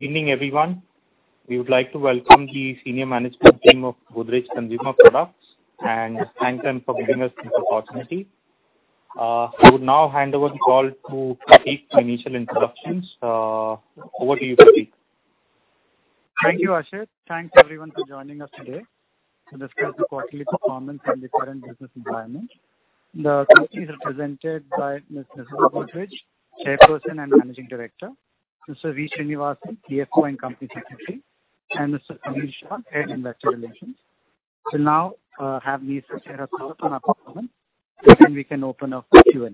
Evening, everyone. We would like to welcome the senior management team of Godrej Consumer Products and thank them for giving us this opportunity. I would now hand over the call to Pratik for initial introductions. Over to you, Pratik. Thank you, Ashit. Thanks everyone for joining us today to discuss the quarterly performance and the current business environment. The company is represented by Mrs. Godrej, Chairperson and Managing Director, Mr. V. Srinivasan, CFO and Company Secretary, and Mr. Sameer Shah, Head Investor Relations. We'll now have Nisaba share her thoughts on our performance, then we can open up for Q&A.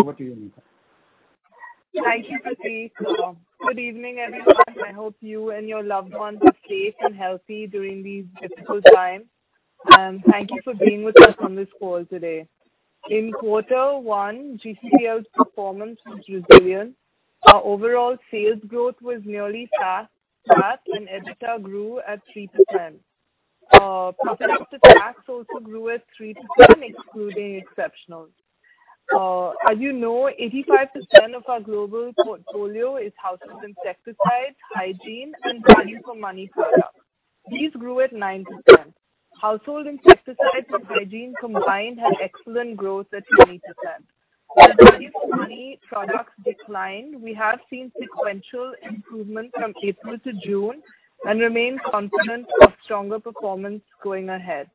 Over to you, Nisaba. Thank you, Pratik. Good evening, everyone. I hope you and your loved ones are safe and healthy during these difficult times. Thank you for being with us on this call today. In quarter one, GCPL's performance was resilient. Our overall sales growth was nearly flat, and EBITDA grew at 3%. Profit after tax also grew at 3%, excluding exceptionals. As you know, 85% of our global portfolio is household insecticides, hygiene, and value-for-money products. These grew at 9%. Household insecticides and hygiene combined had excellent growth at 20%. While value-for-money products declined, we have seen sequential improvement from April to June and remain confident of stronger performance going ahead.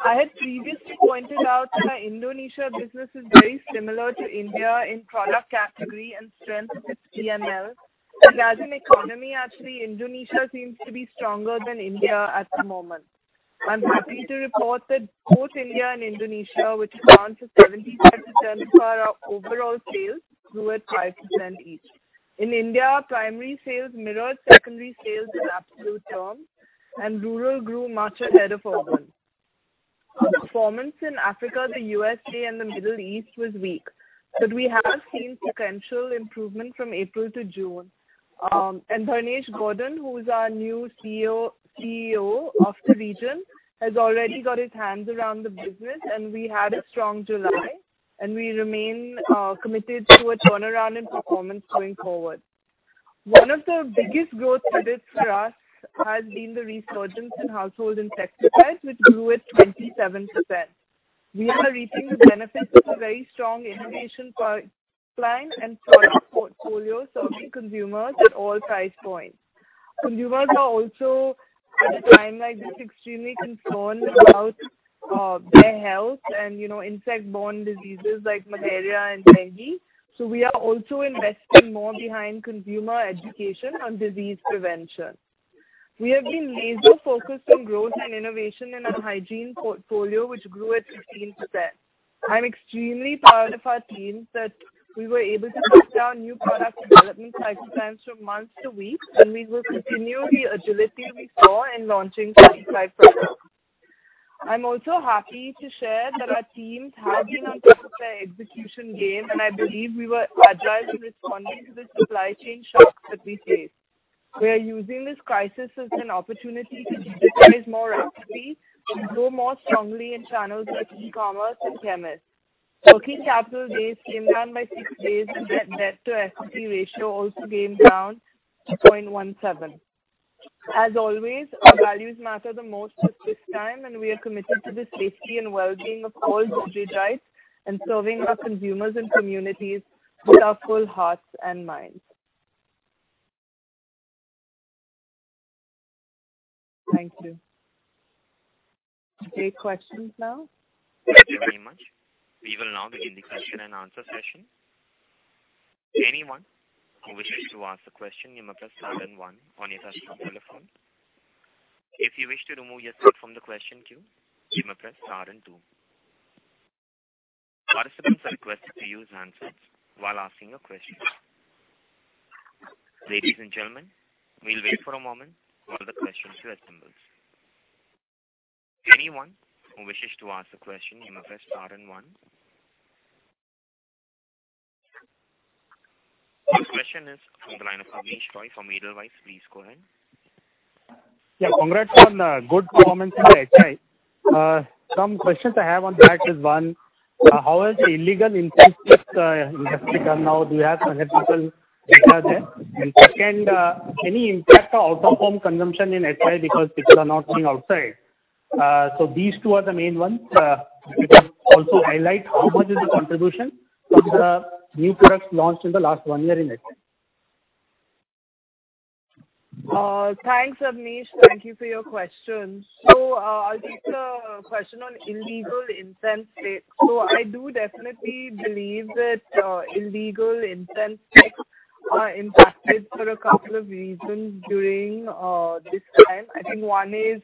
I had previously pointed out that our Indonesia business is very similar to India in product category and strength of its DML, but as an economy, actually, Indonesia seems to be stronger than India at the moment. I'm happy to report that both India and Indonesia, which account for 75% of our overall sales, grew at 5% each. In India, primary sales mirrored secondary sales in absolute terms, and rural grew much ahead of urban. Dharnesh Gordhon, who's our new CEO of the region, has already got his hands around the business, and we had a strong July, and we remain committed to a turnaround in performance going forward. Our performance in Africa, the U.S.A., and the Middle East was weak, but we have seen sequential improvement from April to June. One of the biggest growth credits for us has been the resurgence in household insecticides, which grew at 27%. We are reaping the benefits of a very strong innovation pipeline and product portfolio serving consumers at all price points. Consumers are also, at a time like this, extremely concerned about their health and insect-borne diseases like malaria and dengue. We are also investing more behind consumer education on disease prevention. We have been laser-focused on growth and innovation in our hygiene portfolio, which grew at 15%. I'm extremely proud of our teams that we were able to cut down new product development cycle times from months to weeks, and we will continue the agility we saw in launching 35 products. I'm also happy to share that our teams have been on top of their execution game, and I believe we were agile in responding to the supply chain shocks that we faced. We are using this crisis as an opportunity to digitize more rapidly and grow more strongly in channels like e-commerce and chemists. Working capital days came down by six days, and debt-to-equity ratio also came down to 0.17. As always, our values matter the most at this time, and we are committed to the safety and well-being of all Godrejites and serving our consumers and communities with our full hearts and minds. Thank you. Take questions now. Thank you very much. We will now begin the question and answer session. Anyone who wishes to ask a question, you may press star and one on your telephone. If you wish to remove yourself from the question queue, you may press star and two. Participants are requested to use handsets while asking a question. Ladies and gentlemen, we'll wait for a moment for all the questions to assemble. Anyone who wishes to ask a question, you may press star and one. First question is from the line of Abneesh Roy from Edelweiss. Please go ahead. Yeah, congrats on good performance in the HI. Some questions I have on HI is, one, how has the illegal incense stick industry done now? Do you have any data there? Second, any impact on out-of-home consumption in HI because people are not going outside? These two are the main ones. If you could also highlight how much is the contribution of the new products launched in the last one year in HI. Thanks, Abneesh. Thank you for your questions. I'll take the question on illegal incense sticks. I do definitely believe that illegal incense sticks are impacted for a couple of reasons during this time. I think one is,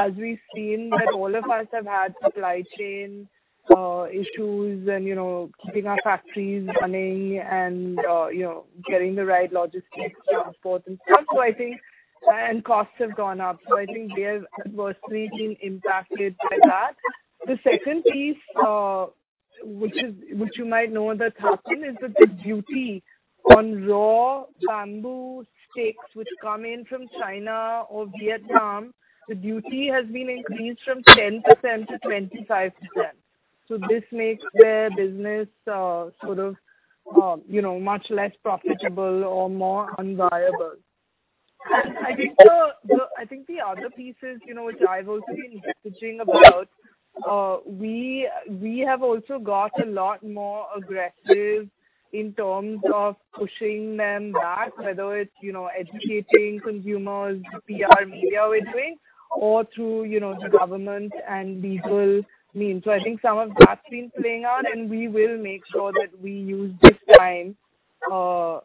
as we've seen that all of us have had supply chain issues and keeping our factories running and getting the right logistics transport and stuff, and costs have gone up. I think they have adversely been impacted by that. The second piece, which you might know, that's happened is that the duty on raw bamboo sticks, which come in from China or Vietnam, the duty has been increased from 10% to 25%. This makes their business much less profitable or more unviable. I think the other piece is, which I've also been messaging about, we have also got a lot more aggressive in terms of pushing them back, whether it's educating consumers, the PR media we're doing, or through the government and legal means. I think some of that's been playing out, and we will make sure that we use this time to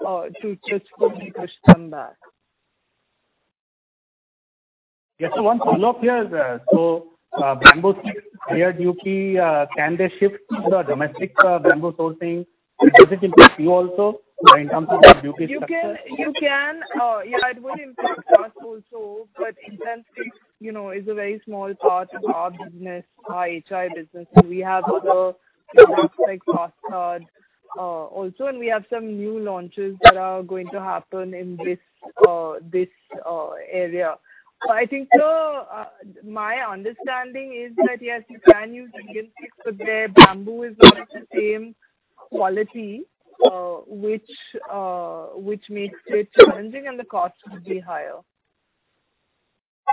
totally push them back. Yes. One follow-up here. Bamboo duties, clear duty, can they shift to the domestic bamboo sourcing? Does it impact you also in terms of the duty structure? You can. Yeah, it will impact us also. Indian sticks is a very small part of our business, our HI business. We have other products like Fast Card also, and we have some new launches that are going to happen in this area. I think my understanding is that, yes, you can use Indian sticks, but their bamboo is not of the same quality, which makes it challenging, and the cost would be higher.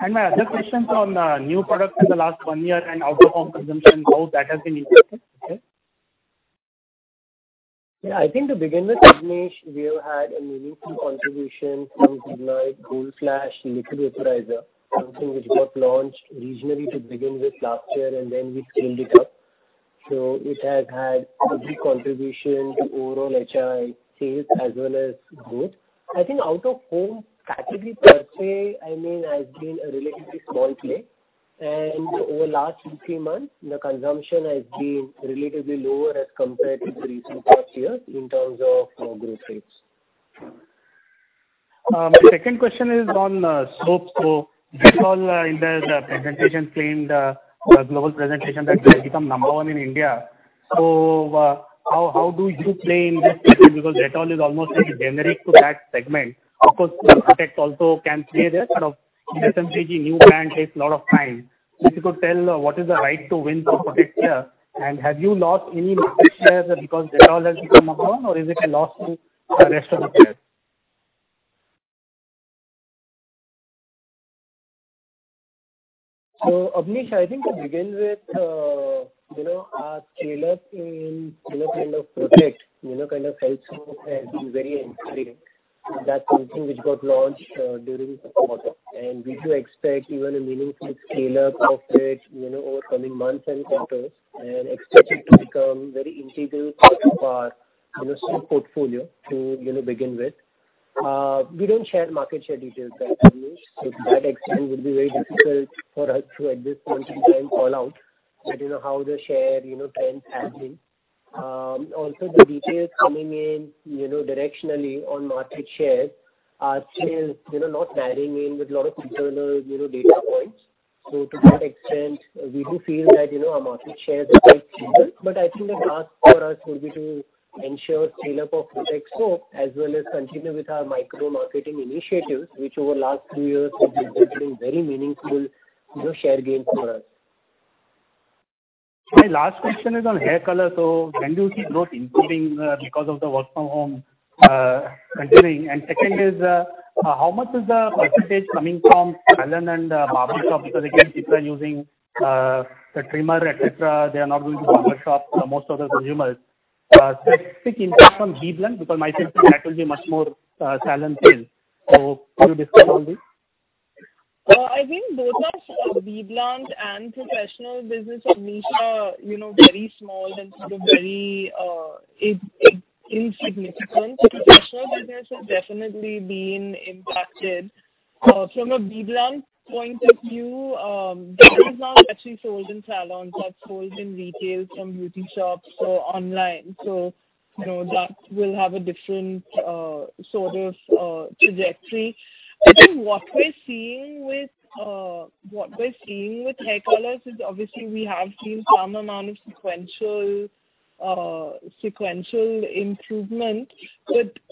My other question is on new products in the last one year and out-of-home consumption, how that has been impacted? Okay. Yeah, I think, to begin with, Abneesh, we have had a meaningful contribution from Goodknight Gold Flash Liquid Vaporizer, something which got launched regionally to begin with last year, and then we scaled it up. It has had a big contribution to overall HI sales as well as growth. I think out-of-home category per se has been a relatively small play, and over the last two, three months, the consumption has been relatively lower as compared to the recent past years in terms of growth rates. My second question is on soap. Dettol in the presentation claimed, the global presentation, that they have become number one in India. How do you play in this segment? Dettol is almost like a generic to that segment. Of course, Protekt also can play there, but introducing new brand takes a lot of time. If you could tell what is the right to win for Protekt here, and have you lost any market share because Dettol has become number one, or is it a loss to the rest of the players? Abneesh, I think to begin with, our scale-up in Protekt health soap has been very encouraging. That's something which got launched during the quarter. We do expect even a meaningful scale-up of it over coming months and quarters and expect it to become very integral to our soap portfolio to begin with. We don't share market share details, Abneesh, so to that extent, it would be very difficult for us to, at this point in time, call out how the share trends have been. The details coming in directionally on market shares are still not marrying in with a lot of internal data points. To that extent, we do feel that our market share is quite stable. I think the task for us would be to ensure scale-up of Protekt soap as well as continue with our micro-marketing initiatives, which over the last few years have resulted in very meaningful share gains for us. My last question is on hair color. When do you see growth improving because of the work from home continuing? Second is, how much is the percentage coming from salon and barber shop? Because again, people are using the trimmer, et cetera. They are not going to barber shops, most of the consumers. Specific impact on BBLUNT, because my sense is that will be much more salon-led. Could you discuss on this? I think both our BBLUNT and professional business, Abneesh, are very small and sort of very insignificant. Professional business has definitely been impacted. From a BBLUNT point of view, BBLUNT is not actually sold in salons. That's sold in retail, from beauty shops or online. That will have a different sort of trajectory. I think what we're seeing with hair colors is obviously we have seen some amount of sequential improvement.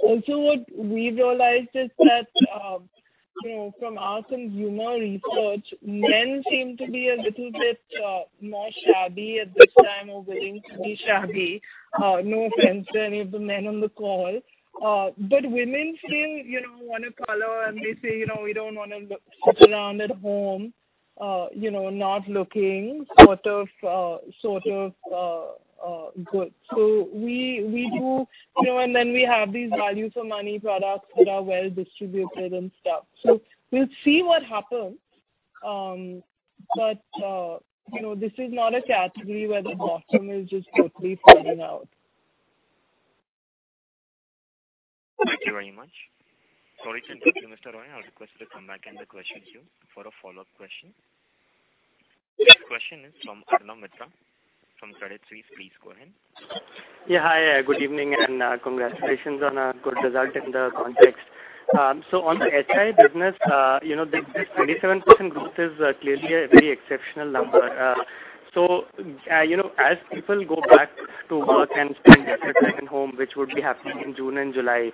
Also what we've realized is that from our consumer research, men seem to be a little bit more shabby at this time or willing to be shabby. No offense to any of the men on the call. Women still want to color, and they say, "We don't want to sit around at home not looking sort of good." We have these value-for-money products that are well-distributed and stuff. We'll see what happens. This is not a category where the bottom is just totally falling out. Thank you very much. Sorry to interrupt you, Mr. Roy. I request you to come back in the queue for a follow-up question. Next question is from Arnab Mitra from Credit Suisse. Please go ahead. Yeah. Hi, good evening, and congratulations on a good result in the context. On the HI business, this 27% growth is clearly a very exceptional number. As people go back to work and second home, which would be happening in June and July.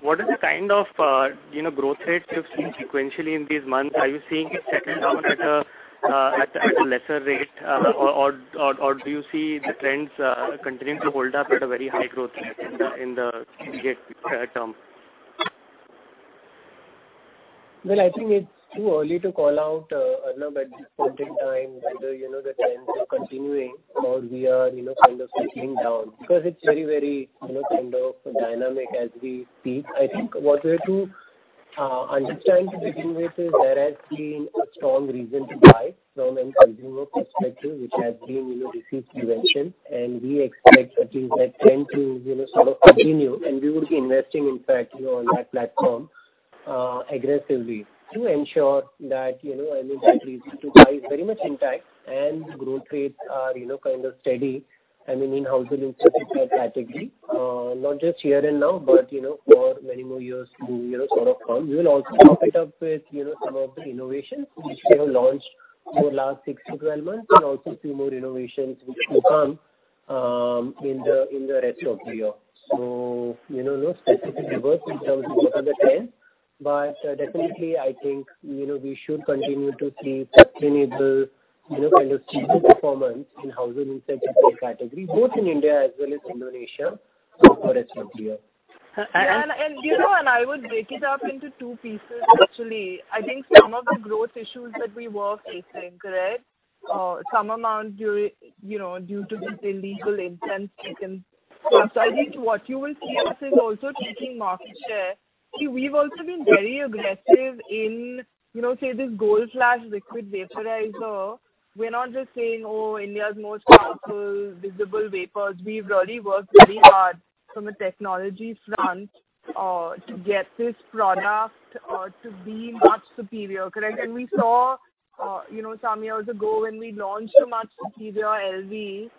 What is the kind of growth rate you've seen sequentially in these months? Are you seeing it settle down at a lesser rate or do you see the trends continuing to hold up at a very high growth rate in the immediate term? I think it's too early to call out, Arnab, at this point in time, whether the trends are continuing or we are kind of settling down because it's very dynamic as we speak. I think what we have to understand to begin with is there has been a strong reason to buy from a consumer perspective, which has been disease prevention, and we expect at least that trend to sort of continue, and we would be investing, in fact, on that platform, aggressively to ensure that reason to buy is very much intact and growth rates are kind of steady, in the household category, not just here and now, but for many more years to come. We will also top it up with some of the innovations which we have launched over the last six to 12 months. We'll also see more innovations which will come in the rest of the year. No specific numbers in terms of what are the trends, but definitely, I think, we should continue to see sustainable kind of superior performance in household category, both in India as well as Indonesia for rest of the year. I would break it up into two pieces, actually. I think some of the growth issues that we were facing, correct. Some amount due to these illegal incense sticks. I think what you will see us is also taking market share. We've also been very aggressive in, say, this Gold Flash Liquid Vaporizer. We're not just saying, "Oh, India's most powerful visible vapors." We've really worked very hard from a technology front to get this product to be much superior, correct. We saw some years ago when we launched a much superior LV,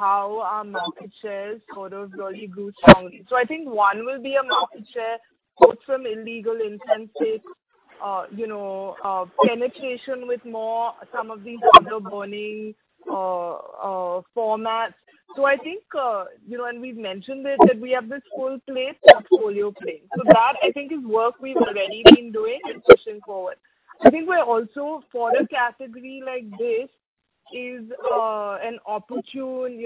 how our market shares really grew strongly. I think one will be a market share, both from illegal incense sticks, penetration with more some of these other burning formats. I think, and we've mentioned it, that we have this full plate portfolio play. That I think is work we've already been doing and pushing forward. I think we're also, for a category like this, is an opportune,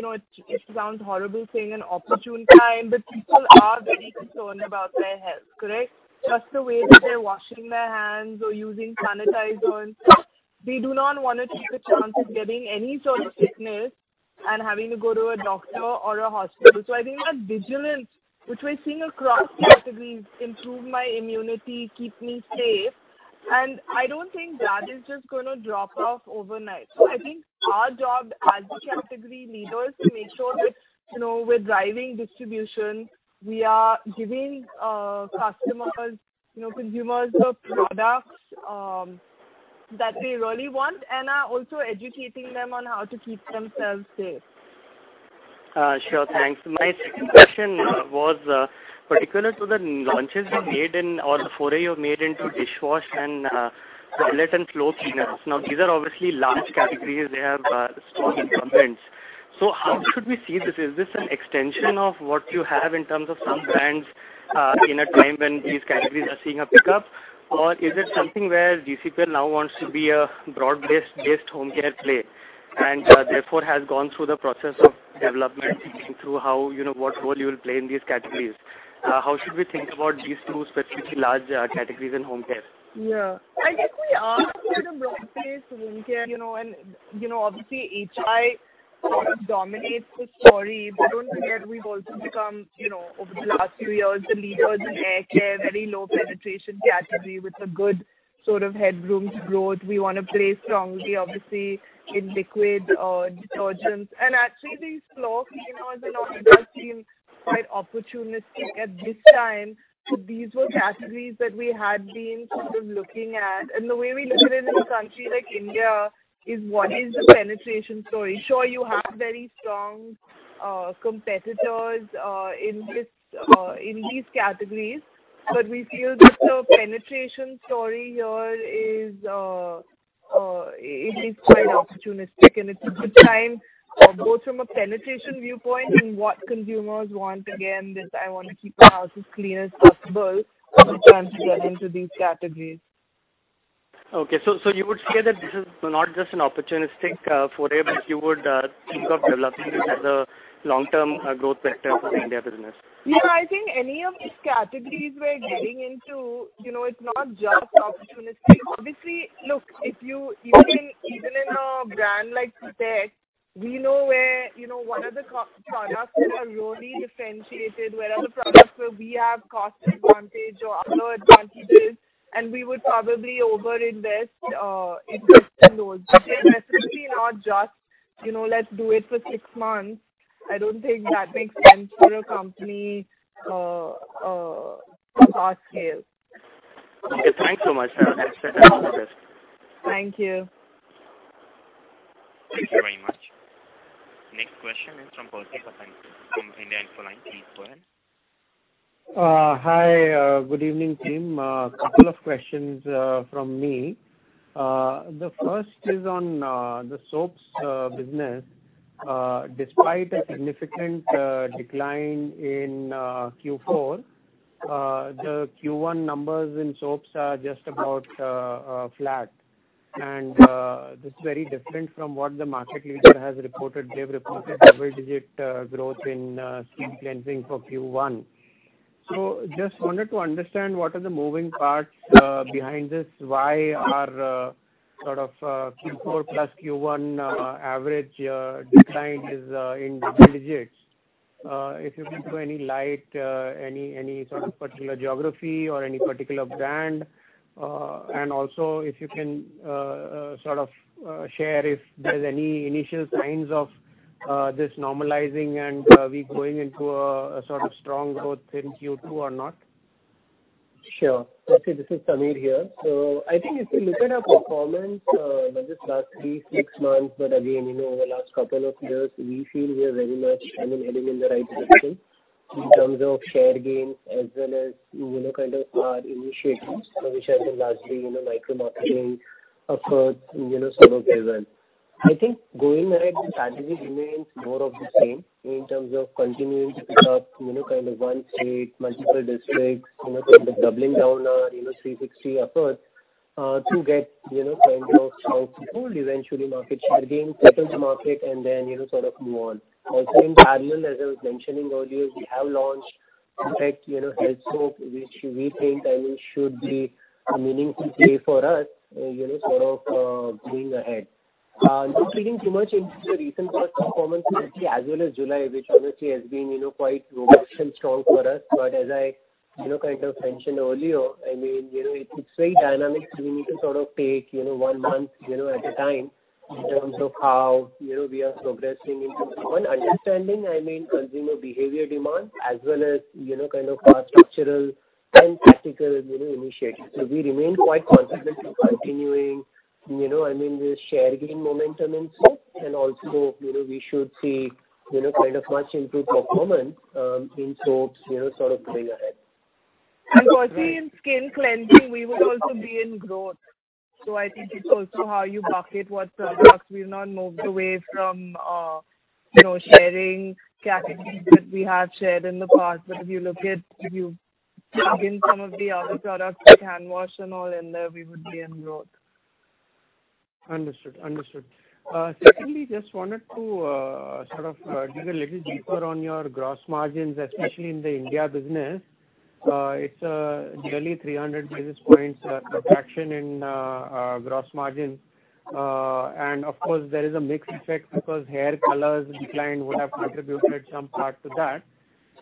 it sounds horrible saying an opportune time, but people are very concerned about their health, correct? Just the way that they're washing their hands or using sanitizers. They do not want to take a chance of getting any sort of sickness and having to go to a doctor or a hospital. I think that vigilance, which we're seeing across categories, improve my immunity, keep me safe, and I don't think that is just going to drop off overnight. I think our job as the category leaders to make sure that we're driving distribution, we are giving customers, consumers the products that they really want and are also educating them on how to keep themselves safe. Sure. Thanks. My second question was particular to the launches you made in, or the foray you've made into dishwash and toilet and floor cleaners. These are obviously large categories. They have strong incumbents. How should we see this? Is this an extension of what you have in terms of some brands, in a time when these categories are seeing a pickup? Or is it something where GCPL now wants to be a broad-based home care play and therefore has gone through the process of development, thinking through what role you will play in these categories? How should we think about these two specifically large categories in home care? I think we are kind of broad-based home care, obviously, HI sort of dominates the story. Don't forget, we've also become, over the last few years, the leaders in hair care, very low penetration category with a good sort of headroom to growth. We want to play strongly, obviously, in liquid detergents. Actually, these floor cleaners and all, they've been quite opportunistic at this time. These were categories that we had been sort of looking at, the way we look at it in a country like India is what is the penetration story. Sure, you have very strong competitors in these categories, we feel that the penetration story here is quite opportunistic, it's a good time, both from a penetration viewpoint and what consumers want. Again, this, "I want to keep my house as clean as possible," is a chance to get into these categories. Okay, you would say that this is not just an opportunistic foray, but you would think of developing this as a long-term growth vector for the India business. Yeah, I think any of these categories we're getting into, it's not just opportunistic. Obviously, look, even in a brand like Protekt, we know where one of the products that are really differentiated, where are the products where we have cost advantage or other advantages, and we would probably over-invest in those. It is definitely not just, "Let's do it for six months." I don't think that makes sense for a company of our scale. Okay, thanks so much. That's very helpful. Thank you. Thank you very much. Next question is from Percy Panthaki from India Infoline. Please go ahead. Hi, good evening team. A couple of questions from me. The first is on the soaps business. Despite a significant decline in Q4, the Q1 numbers in soaps are just about flat. This is very different from what the market leader has reported. They have reported double-digit growth in skin cleansing for Q1. Just wanted to understand what are the moving parts behind this, why are Q4 plus Q1 average decline is in double digits? If you can throw any light, any sort of particular geography or any particular brand. Also if you can share if there's any initial signs of this normalizing and are we going into a sort of strong growth in Q2 or not? Sure. Kirti, this is Sameer here. I think if you look at our performance, not just last three, six months, again, over the last couple of years, we feel we are very much heading in the right direction in terms of share gains as well as our initiatives, which have been largely micro-marketing efforts as well. I think going ahead, the strategy remains more of the same in terms of continuing to pick up one state, multiple districts, doubling down our 360 effort, to get household, eventually market share gains, presence market then move on. In parallel, as I was mentioning earlier, we have launched Protekt health soap, which we think should be a meaningful play for us going ahead. Not reading too much into the recent past performance, Kirti, as well as July, which honestly has been quite robust and strong for us. As I mentioned earlier, it's very dynamic. We need to take one month at a time in terms of how we are progressing into one understanding, consumer behavior demand as well as our structural and tactical initiatives. We remain quite confident in continuing this share gain momentum in soaps and also we should see much improved performance in soaps going ahead. Kirti, in skin cleansing, we would also be in growth. I think it's also how you bucket what products we've now moved away from sharing categories that we have shared in the past. If you plug in some of the other products like hand wash and all in there, we would be in growth. Understood. Secondly, just wanted to dig a little deeper on your gross margins, especially in the India business. It is nearly 300 basis points contraction in gross margin. Of course there is a mix effect because hair colors decline would have contributed some part to that.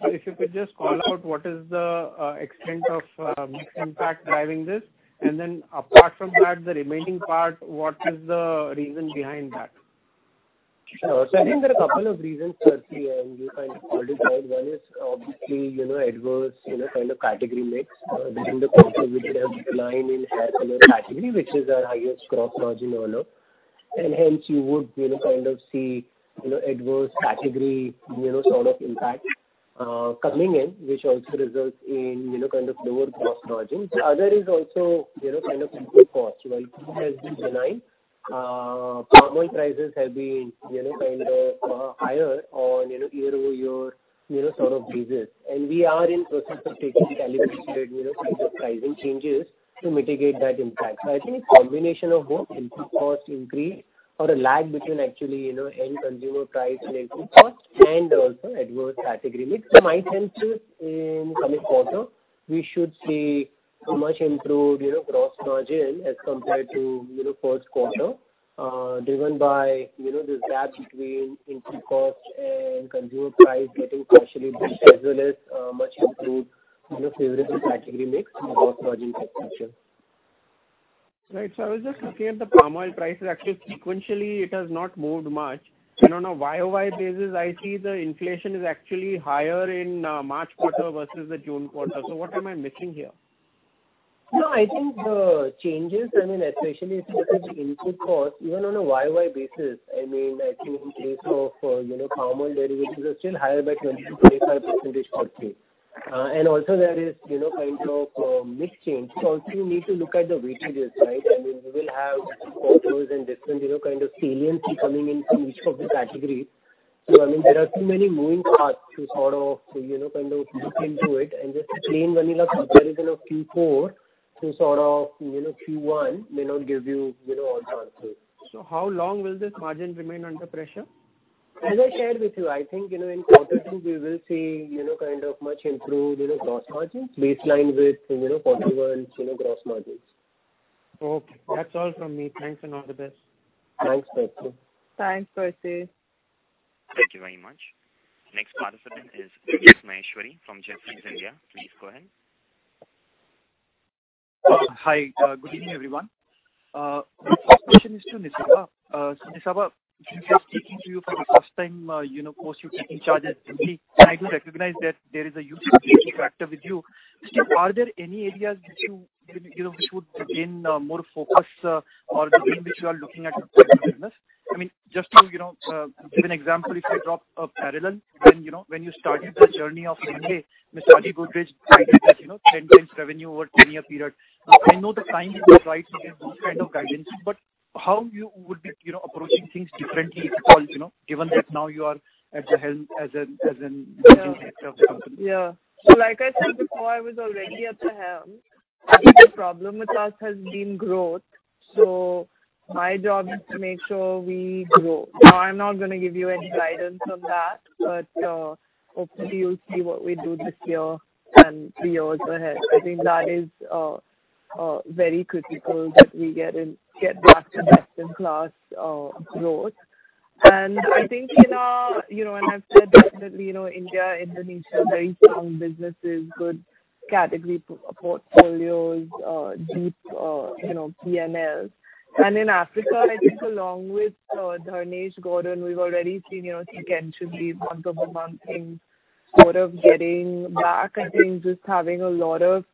If you could just call out what is the extent of mix impact driving this, and then apart from that, the remaining part, what is the reason behind that? Sure. I think there are a couple of reasons, Kirti, and you kind of already said one is obviously, adverse category mix during the quarter. We did have decline in hair color category, which is our highest gross margin earner. Hence you would see adverse category impact coming in, which also results in lower gross margins. The other is also input cost. While palm oil prices have been higher on year-over-year basis, and we are in the process of taking calibrated pricing changes to mitigate that impact. I think combination of both input cost increase or a lag between actually end consumer price and input cost and also adverse category mix. My sense is in coming quarter, we should see much improved gross margin as compared to first quarter, driven by this gap between input cost and consumer price getting partially mixed as well as much improved favorable category mix and gross margin expansion. Right. I was just looking at the palm oil prices. Actually sequentially it has not moved much. On a YOY basis, I see the inflation is actually higher in March quarter versus the June quarter. What am I missing here? No, I think the changes, especially if you look at the input cost, even on a year-over-year basis, I think in case of palm oil derivatives are still higher by 20% to 25% for Q. Also there is mix change. Also you need to look at the weightages, right? We will have different quarters and different saliency coming in from each of the categories. There are too many moving parts to look into it and just plain vanilla comparison of Q4 to Q1 may not give you all answers. How long will this margin remain under pressure? As I shared with you, I think, in quarter two we will see much improved gross margins baseline with 41% gross margins. Okay, that's all from me. Thanks, and all the best. Thanks, Kirti. Thanks, Kirti. Thank you very much. Next participant is Vivek Maheshwari from Jefferies India. Please go ahead. Hi. Good evening, everyone. First question is to Nisaba. Nisaba, since I am speaking to you for the first time, post you taking charge as MD, and I do recognize that there is a huge capability factor with you. Still, are there any areas which would gain more focus, or domain which you are looking at for growth business? Just to give an example, if I draw a parallel, when you started the journey of saying, "Hey, Mr. Adi Godrej guided us 10 times revenue over a 20-year period." I know the time is not right to give that kind of guidance, but how you would be approaching things differently if at all, given that now you are at the helm as an incoming head of the company. Yeah. Like I said before, I was already at the helm. I think the problem with us has been growth. My job is to make sure we grow. I'm not going to give you any guidance on that, but hopefully you'll see what we do this year and three years ahead. I think that is very critical that we get back to best in class growth. I think, and I've said this, that India, Indonesia, very strong businesses, good category portfolios, deep P&Ls. In Africa, I think along with Dharnesh Gordhon, we've already seen sequentially month-over-month things sort of getting back. I think just having a lot of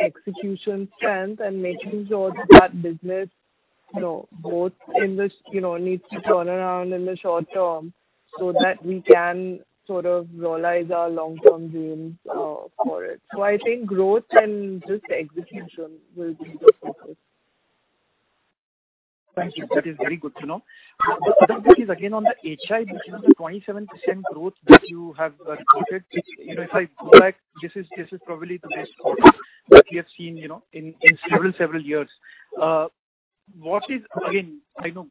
execution strength and making sure that business both needs to turn around in the short term so that we can sort of realize our long-term dreams for it. I think growth and just execution will be the focus. Thank you. That is very good to know. The other bit is again on the HI business, the 27% growth that you have quoted. If I go back, this is probably the best quarter that we have seen in several years. I know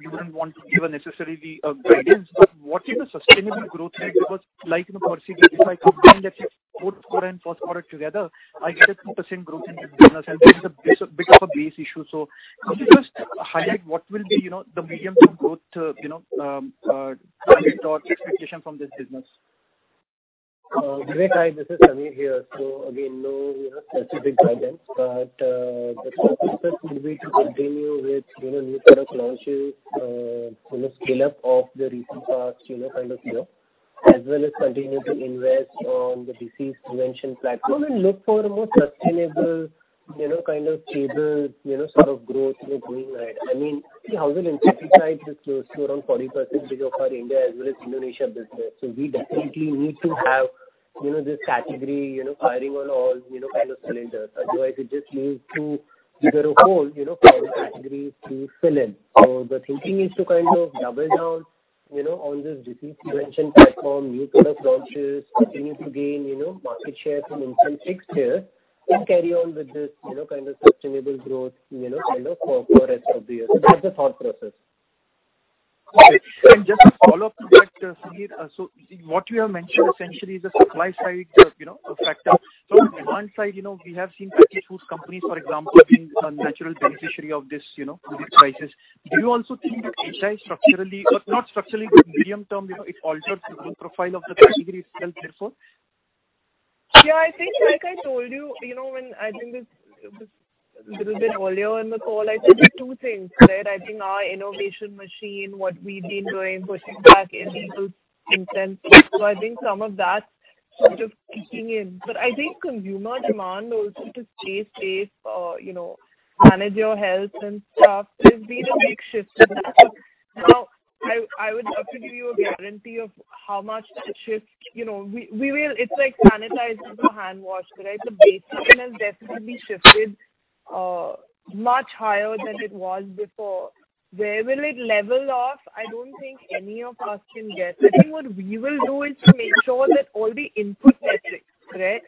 you wouldn't want to give necessarily a guidance, but what is a sustainable growth rate? Like in the past, if I combine let's say fourth quarter and first quarter together, I get a 2% growth in the business and this is a bit of a base issue. Could you just highlight what will be the medium-term growth target or expectation from this business? Vivek, hi, this is Sameer here. Again, no, we are not giving specific guidance. The focus just would be to continue with new product launches, scale-up of the recent past kind of flow, as well as continue to invest on the disease prevention platform and look for a more sustainable kind of stable sort of growth going ahead. Household insecticides is close to around 40% of our India as well as Indonesia business. We definitely need to have this category firing on all cylinders. Otherwise, it just leaves two bigger holes for other categories to fill in. The thinking is to kind of double down on this disease prevention platform, new product launches, continue to gain market share from incense sticks here, and carry on with this kind of sustainable growth for the rest of the year. That's the thought process. Got it. Just a follow-up to that, Sameer. What you have mentioned essentially is the supply side factor. On demand side, we have seen packaged foods companies, for example, being a natural beneficiary of this COVID crisis. Do you also think that HI or not structurally, but medium-term, it alters the growth profile of the category itself therefore? Yeah, I think like I told you when I think this little bit earlier in the call, I said there are two things. I think our innovation machine, what we've been doing, pushing back incense. I think some of that sort of kicking in. I think consumer demand also to stay safe, manage your health and stuff has been a big shift in the market. Now, I would love to give you a guarantee. It's like sanitizers or handwash, right? The base demand has definitely shifted much higher than it was before. Where will it level off? I don't think any of us can guess. I think what we will do is to make sure that all the input metrics,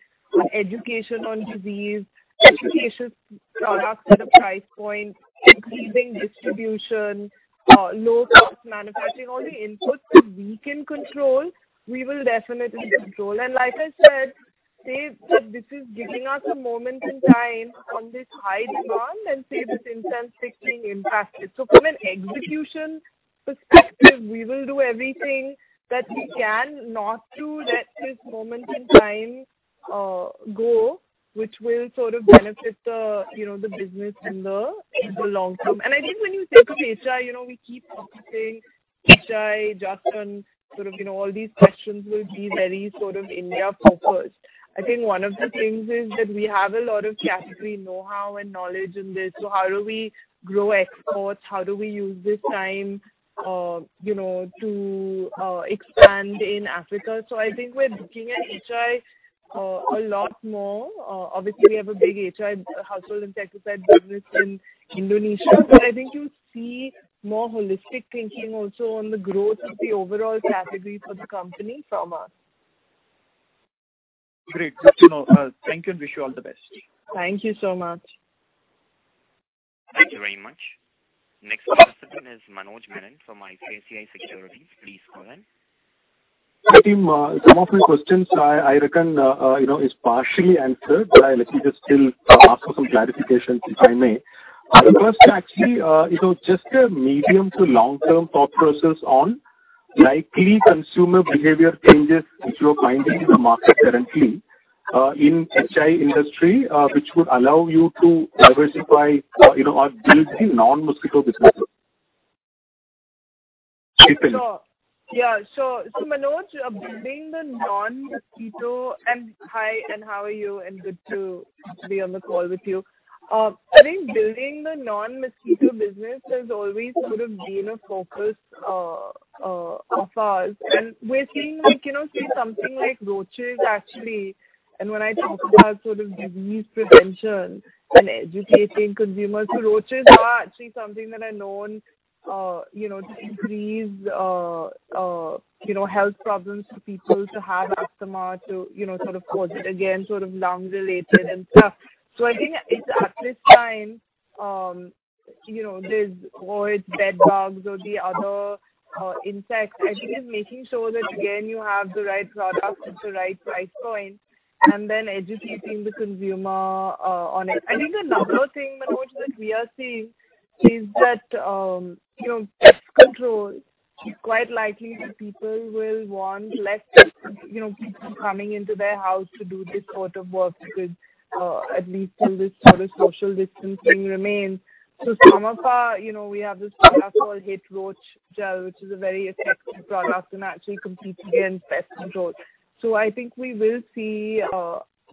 education on disease, educational products at a price point, increasing distribution, low cost manufacturing, all the inputs that we can control, we will definitely control. Like I said, say that this is giving us a moment in time on this high demand and say this incense stick being impacted. From an execution perspective, we will do everything that we can not to let this moment in time go, which will sort of benefit the business in the long term. I think when you think of HI, we keep focusing HI, just on sort of all these questions will be very sort of India focused. I think one of the things is that we have a lot of category know-how and knowledge in this. How do we grow exports? How do we use this time to expand in Africa? I think we're looking at HI a lot more. Obviously, we have a big HI household insecticide business in Indonesia. I think you'll see more holistic thinking also on the growth of the overall category for the company from us. Great. Good to know. Thank you and wish you all the best. Thank you so much. Thank you very much. Next participant is Manoj Menon from ICICI Securities. Please go ahead. Team, some of my questions I reckon is partially answered, but I literally just still ask for some clarifications, if I may. First, actually, just a medium to long-term thought process on likely consumer behavior changes which you are finding in the market currently in HI industry, which would allow you to diversify or build the non-mosquito businesses. Sure. Yeah, sure. Manoj, building the non-mosquito-- Hi, and how are you? Good to be on the call with you. I think building the non-mosquito business has always sort of been a focus of ours, and we're seeing say something like roaches, actually. When I talk about sort of disease prevention and educating consumers, roaches are actually something that are known to increase health problems to people, to have asthma, to sort of cause it. Again, sort of lung related and stuff. I think it's at this time, there's always bedbugs or the other insects. I think it's making sure that, again, you have the right product at the right price point and then educating the consumer on it. I think another thing, Manoj, that we are seeing is that pest control is quite likely that people will want less people coming into their house to do this sort of work because at least till this sort of social distancing remains. We have this product called Hit Anti-Roach Gel, which is a very effective product and actually competes against pest control. I think we will see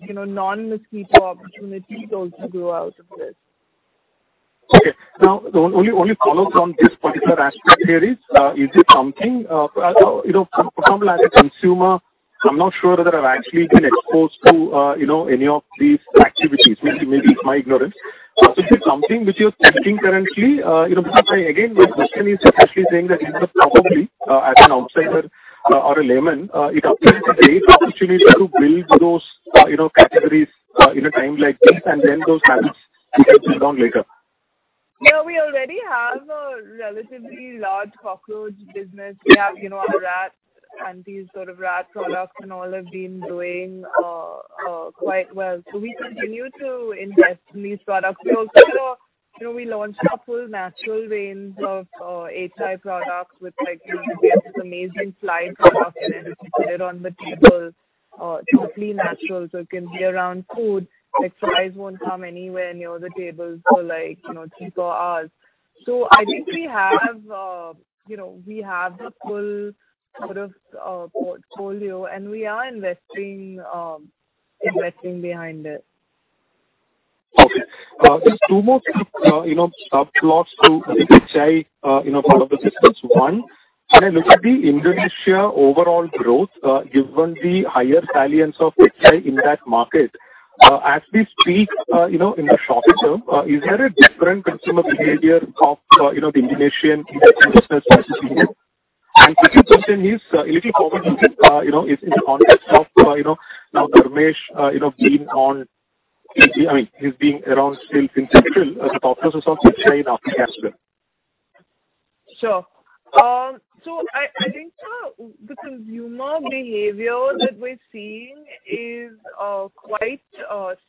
non-mosquito opportunities also grow out of this. Okay. Now, only follow from this particular aspect here. Is it something? For example, as a consumer, I'm not sure whether I've actually been exposed to any of these activities. Maybe it's my ignorance. Is it something which you're testing currently? Again, my question is especially saying that even for me, as an outsider or a layman, it appears a great opportunity to build those categories in a time like this, and then those habits will be built on later. Yeah, we already have a relatively large cockroach business. We have our rats, and these sort of rat products and all have been doing quite well. We continue to invest in these products. We also launched a full natural range of HI products with, like, we have this amazing fly product and you can put it on the table. It's completely natural, so it can be around food. Like, flies won't come anywhere near the table for three, four hours. I think we have the full sort of portfolio, and we are investing behind it. Okay. Just two more subplots to, I think, HI part of the business. One, when I look at the Indonesia overall growth given the higher salience of HI in that market. As we speak, in the short term, is there a different consumer behavior of the Indonesian consumer that you're seeing? Second question is a little forward-looking, is in the context of now Dharnesh being on, I mean, he's being around still since April as a top officer of HI in Africa as well. Sure. I think the consumer behavior that we're seeing is quite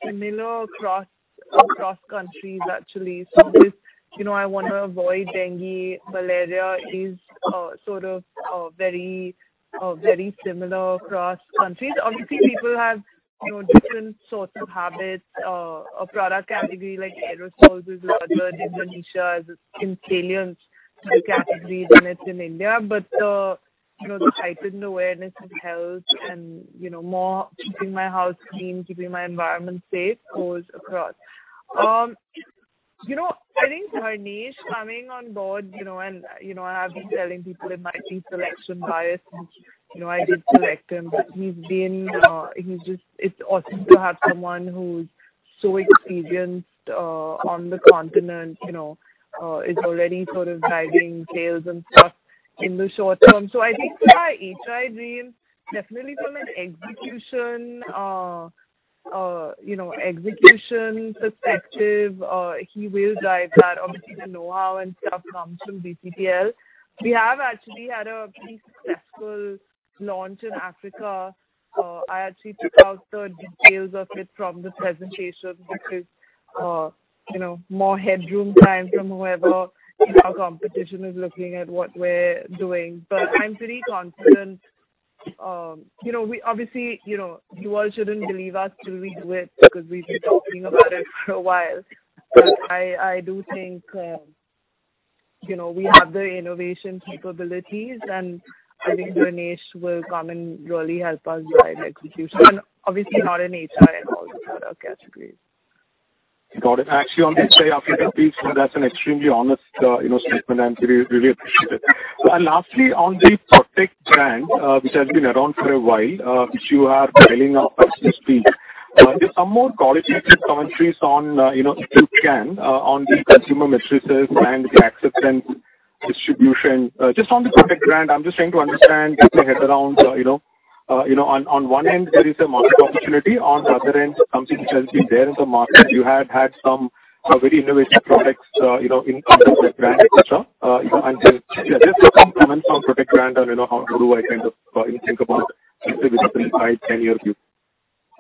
similar across countries, actually. This, I want to avoid dengue, malaria, is sort of very similar across countries. Obviously, people have different sorts of habits. A product category like aerosols is larger in Indonesia as in salience to the category than it's in India. The heightened awareness of health and more keeping my house clean, keeping my environment safe goes across. I think Dharnesh coming on board, and I have been telling people it might be selection bias since I did select him. It's awesome to have someone who's so experienced on the continent, is already sort of driving sales and stuff in the short term. I think for our HI range, definitely from an execution perspective, he will drive that. Obviously, the know-how and stuff comes from GCPL. We have actually had a pretty successful launch in Africa. I actually took out the details of it from the presentation because more headroom time from whoever in our competition is looking at what we're doing. I'm pretty confident. Obviously, you all shouldn't believe us till we do it because we've been talking about it for a while. I do think we have the innovation capabilities, and I think Dharnesh will come and really help us drive execution, and obviously not in HI and all the other categories. Got it. Actually, on the HI Africa piece, that's an extremely honest statement. Really appreciate it. Lastly, on the Protekt brand, which has been around for a while, which you are building up as we speak. Just some more qualitative commentaries on, if you can, on the consumer matrices and the access and distribution. Just on the Protekt brand, I'm just trying to understand, get my head around. On one end, there is a market opportunity. On the other end, something which has been there in the market. You had had some very innovative products in context of that brand, et cetera. Just some comments on Protekt brand and how do I kind of think about it, if it fits inside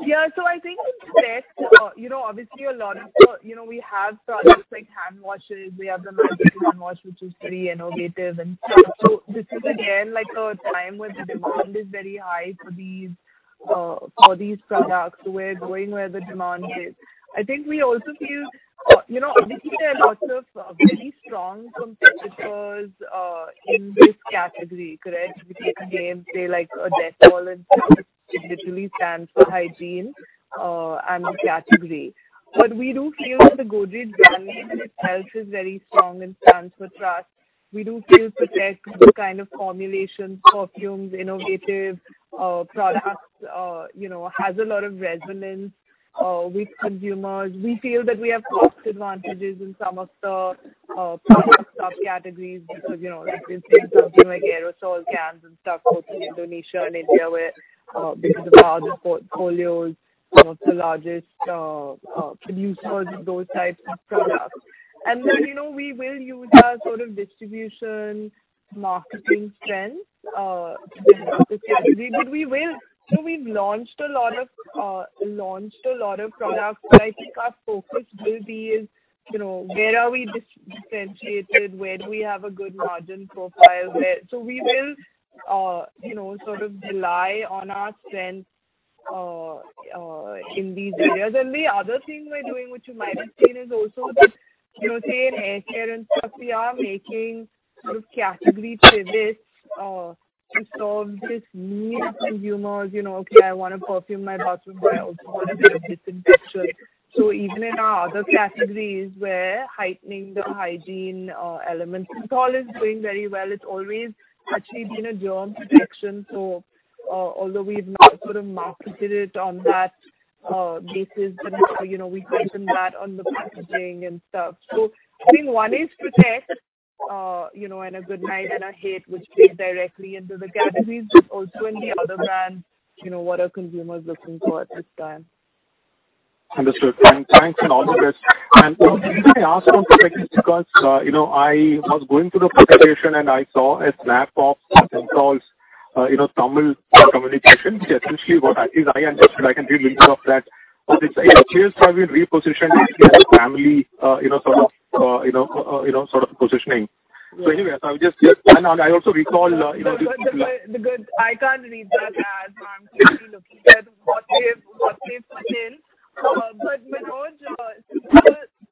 any of you? Yeah. I think in Pratik, obviously a lot of We have products like hand washes. We have the magical hand wash, which is pretty innovative and stuff. This is again, like a time where the demand is very high for these products. We're going where the demand is. I think we also feel, obviously, there are lots of very strong competitors in this category. Correct. Which is again, say like a Dettol and stuff. It literally stands for hygiene and the category. We do feel that the Godrej brand in itself is very strong and stands for trust. We do feel Protekt, the kind of formulation, perfumes, innovative products, has a lot of resonance with consumers. We feel that we have cost advantages in some of the product subcategories because, let's say something like aerosol cans and stuff both in Indonesia and India, where because of our portfolios, we're the largest producers of those types of products. We will use our sort of distribution, marketing strengths to build up the category. We've launched a lot of products, but I think our focus will be is, where are we differentiated? Where do we have a good margin profile? We will sort of rely on our strengths in these areas. The other thing we're doing, which you might have seen, is also that, say, in haircare and stuff, we are making sort of category pivots to serve this need of consumers. Okay, I want to perfume my bathroom, but I also want to be a bit of disinfection. Even in our other categories, we're heightening the hygiene elements. Cinthol is doing very well. It's always actually been a germ protection. Although we've not sort of marketed it on that basis, but we heightened that on the packaging and stuff. I think one is Protekt, and a Goodknight and a HIT, which plays directly into the categories, but also in the other brands, what are consumers looking for at this time. Understood. Thanks an all of this. The reason I ask on Cinthol is because I was going through the presentation, I saw a snap of Cinthol's Tamil communication, which essentially I understood. I can read little of that. It's, here's how we repositioned Cinthol family sort of positioning. anyways. I can't read that ad. I'm clearly looking at what they've put in. Manoj,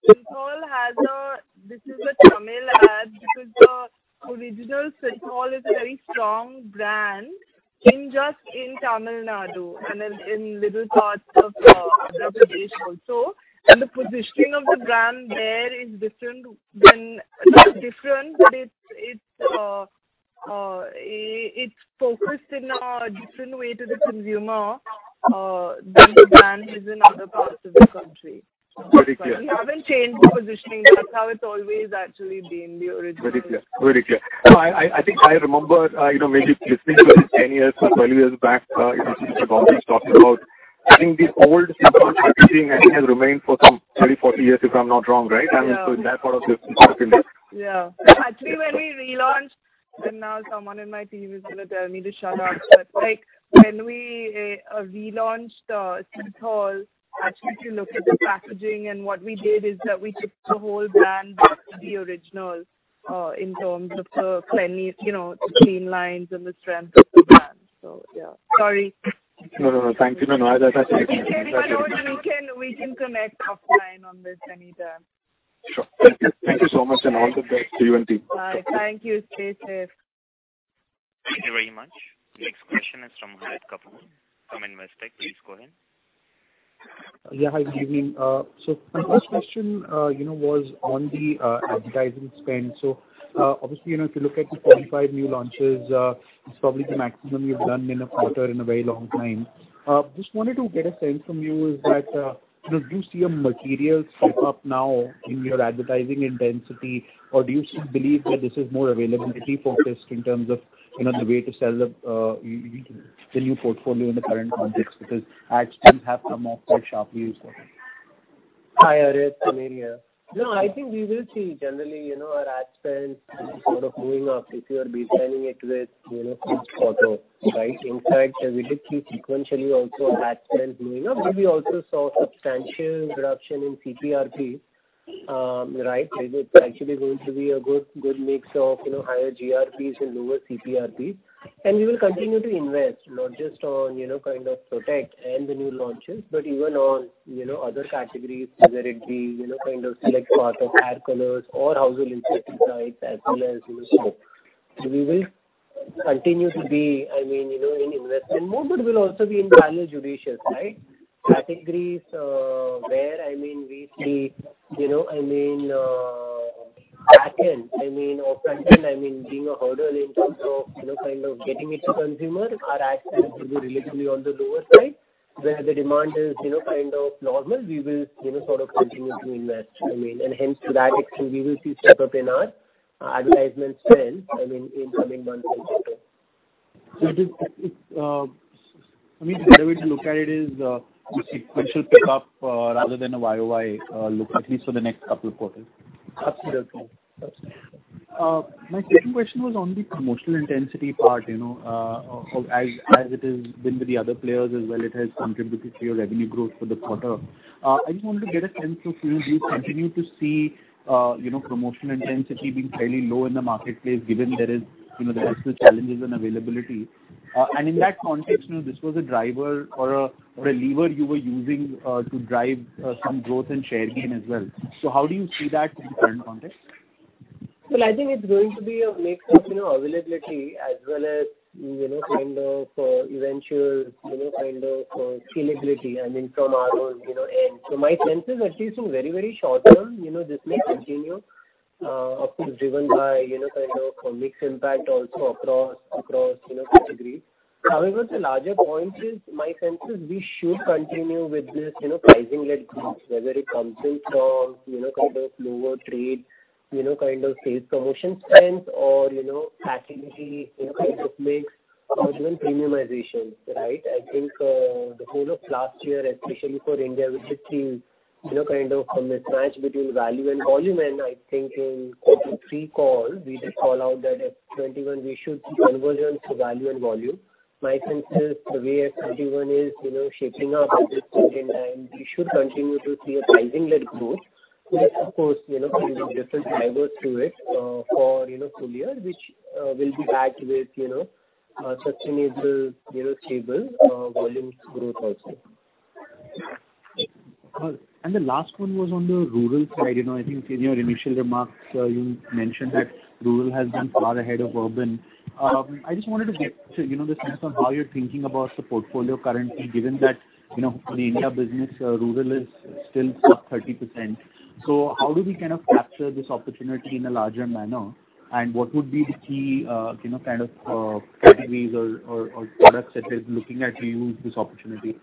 Cinthol has a Tamil ad because the original Cinthol is a very strong brand just in Tamil Nadu and in little parts of Andhra Pradesh also. The positioning of the brand there is different, not different, but it's focused in a different way to the consumer than the brand is in other parts of the country. Very clear. We haven't changed the positioning. That's how it's always actually been the original. Very clear. I think I remember, maybe listening to this 10 years or 12 years back, Mr. Godrej talking about, I think the old Cinthol packaging, I think, has remained for some 30, 40 years, if I'm not wrong, right? Yeah. That part of this is certainly. Yeah. Actually, when we relaunched, Now someone in my team is going to tell me to shut up, When we relaunched Cinthol, actually to look at the packaging, What we did is that we took the whole brand back to the original in terms of the cleanliness, the clean lines and the strength of the brand. Yeah. Sorry. No, thank you. Hey, Manoj, we can connect offline on this anytime. Sure. Thank you so much, and all the best to you and team. Bye. Thank you. Stay safe. Thank you very much. Next question is from Harit Kapoor from Investec. Please go ahead. Yeah. Hi, good evening. My first question was on the advertising spend. Obviously, if you look at the 45 new launches, it's probably the maximum you've done in a quarter in a very long time. Just wanted to get a sense from you is that, do you see a material step-up now in your advertising intensity, or do you still believe that this is more availability focused in terms of the way to sell the new portfolio in the current context? Ad spends have come off quite sharply this quarter. Hi, Harit. Sameer here. I think we will see generally our ad spend sort of moving up if you are baselining it with last quarter. In fact, we did see sequentially also ad spend moving up, but we also saw substantial reduction in CPRP. It's actually going to be a good mix of higher GRPs and lower CPRPs. We will continue to invest, not just on Protekt and the new launches, but even on other categories, whether it be select part of hair colors or household insecticides as well as soap. We will continue to be in investment mode, but we'll also be value judicious. Categories where we see backend or frontend being a hurdle in terms of getting it to consumer, our ad spend will be relatively on the lower side. Where the demand is normal, we will sort of continue to invest. Hence to that extent, we will see step-up in our advertisement spend in coming months for sure. I mean, the better way to look at it is the sequential pickup rather than a YOY look, at least for the next couple of quarters. Absolutely. My second question was on the promotional intensity part. As it is been with the other players as well, it has contributed to your revenue growth for the quarter. I just wanted to get a sense of do you continue to see promotional intensity being fairly low in the marketplace given there is the challenges in availability? In that context, this was a driver or a lever you were using to drive some growth and share gain as well. How do you see that in the current context? I think it's going to be a mix of availability as well as eventual scalability from our end. My sense is, at least in very short term, this may continue. Of course, driven by mixed impact also across categories. However, the larger point is, my sense is we should continue with this pricing-led growth, whether it comes in from lower trade, sales promotion spends or category mix or even premiumization. I think the whole of last year, especially for India, we just see a mismatch between value and volume. I think in Q3 call, we did call out that FY2021, we should converge on to value and volume. My sense is the way FY2021 is shaping up at this point in time, we should continue to see a pricing-led growth. With, of course, different drivers to it for full year, which will be backed with sustainable stable volumes growth also. The last one was on the rural side. I think in your initial remarks, you mentioned that rural has been far ahead of urban. I just wanted to get the sense of how you're thinking about the portfolio currently, given that for the India business, rural is still sub 30%. How do we capture this opportunity in a larger manner? What would be the key categories or products that is looking at to use this opportunity?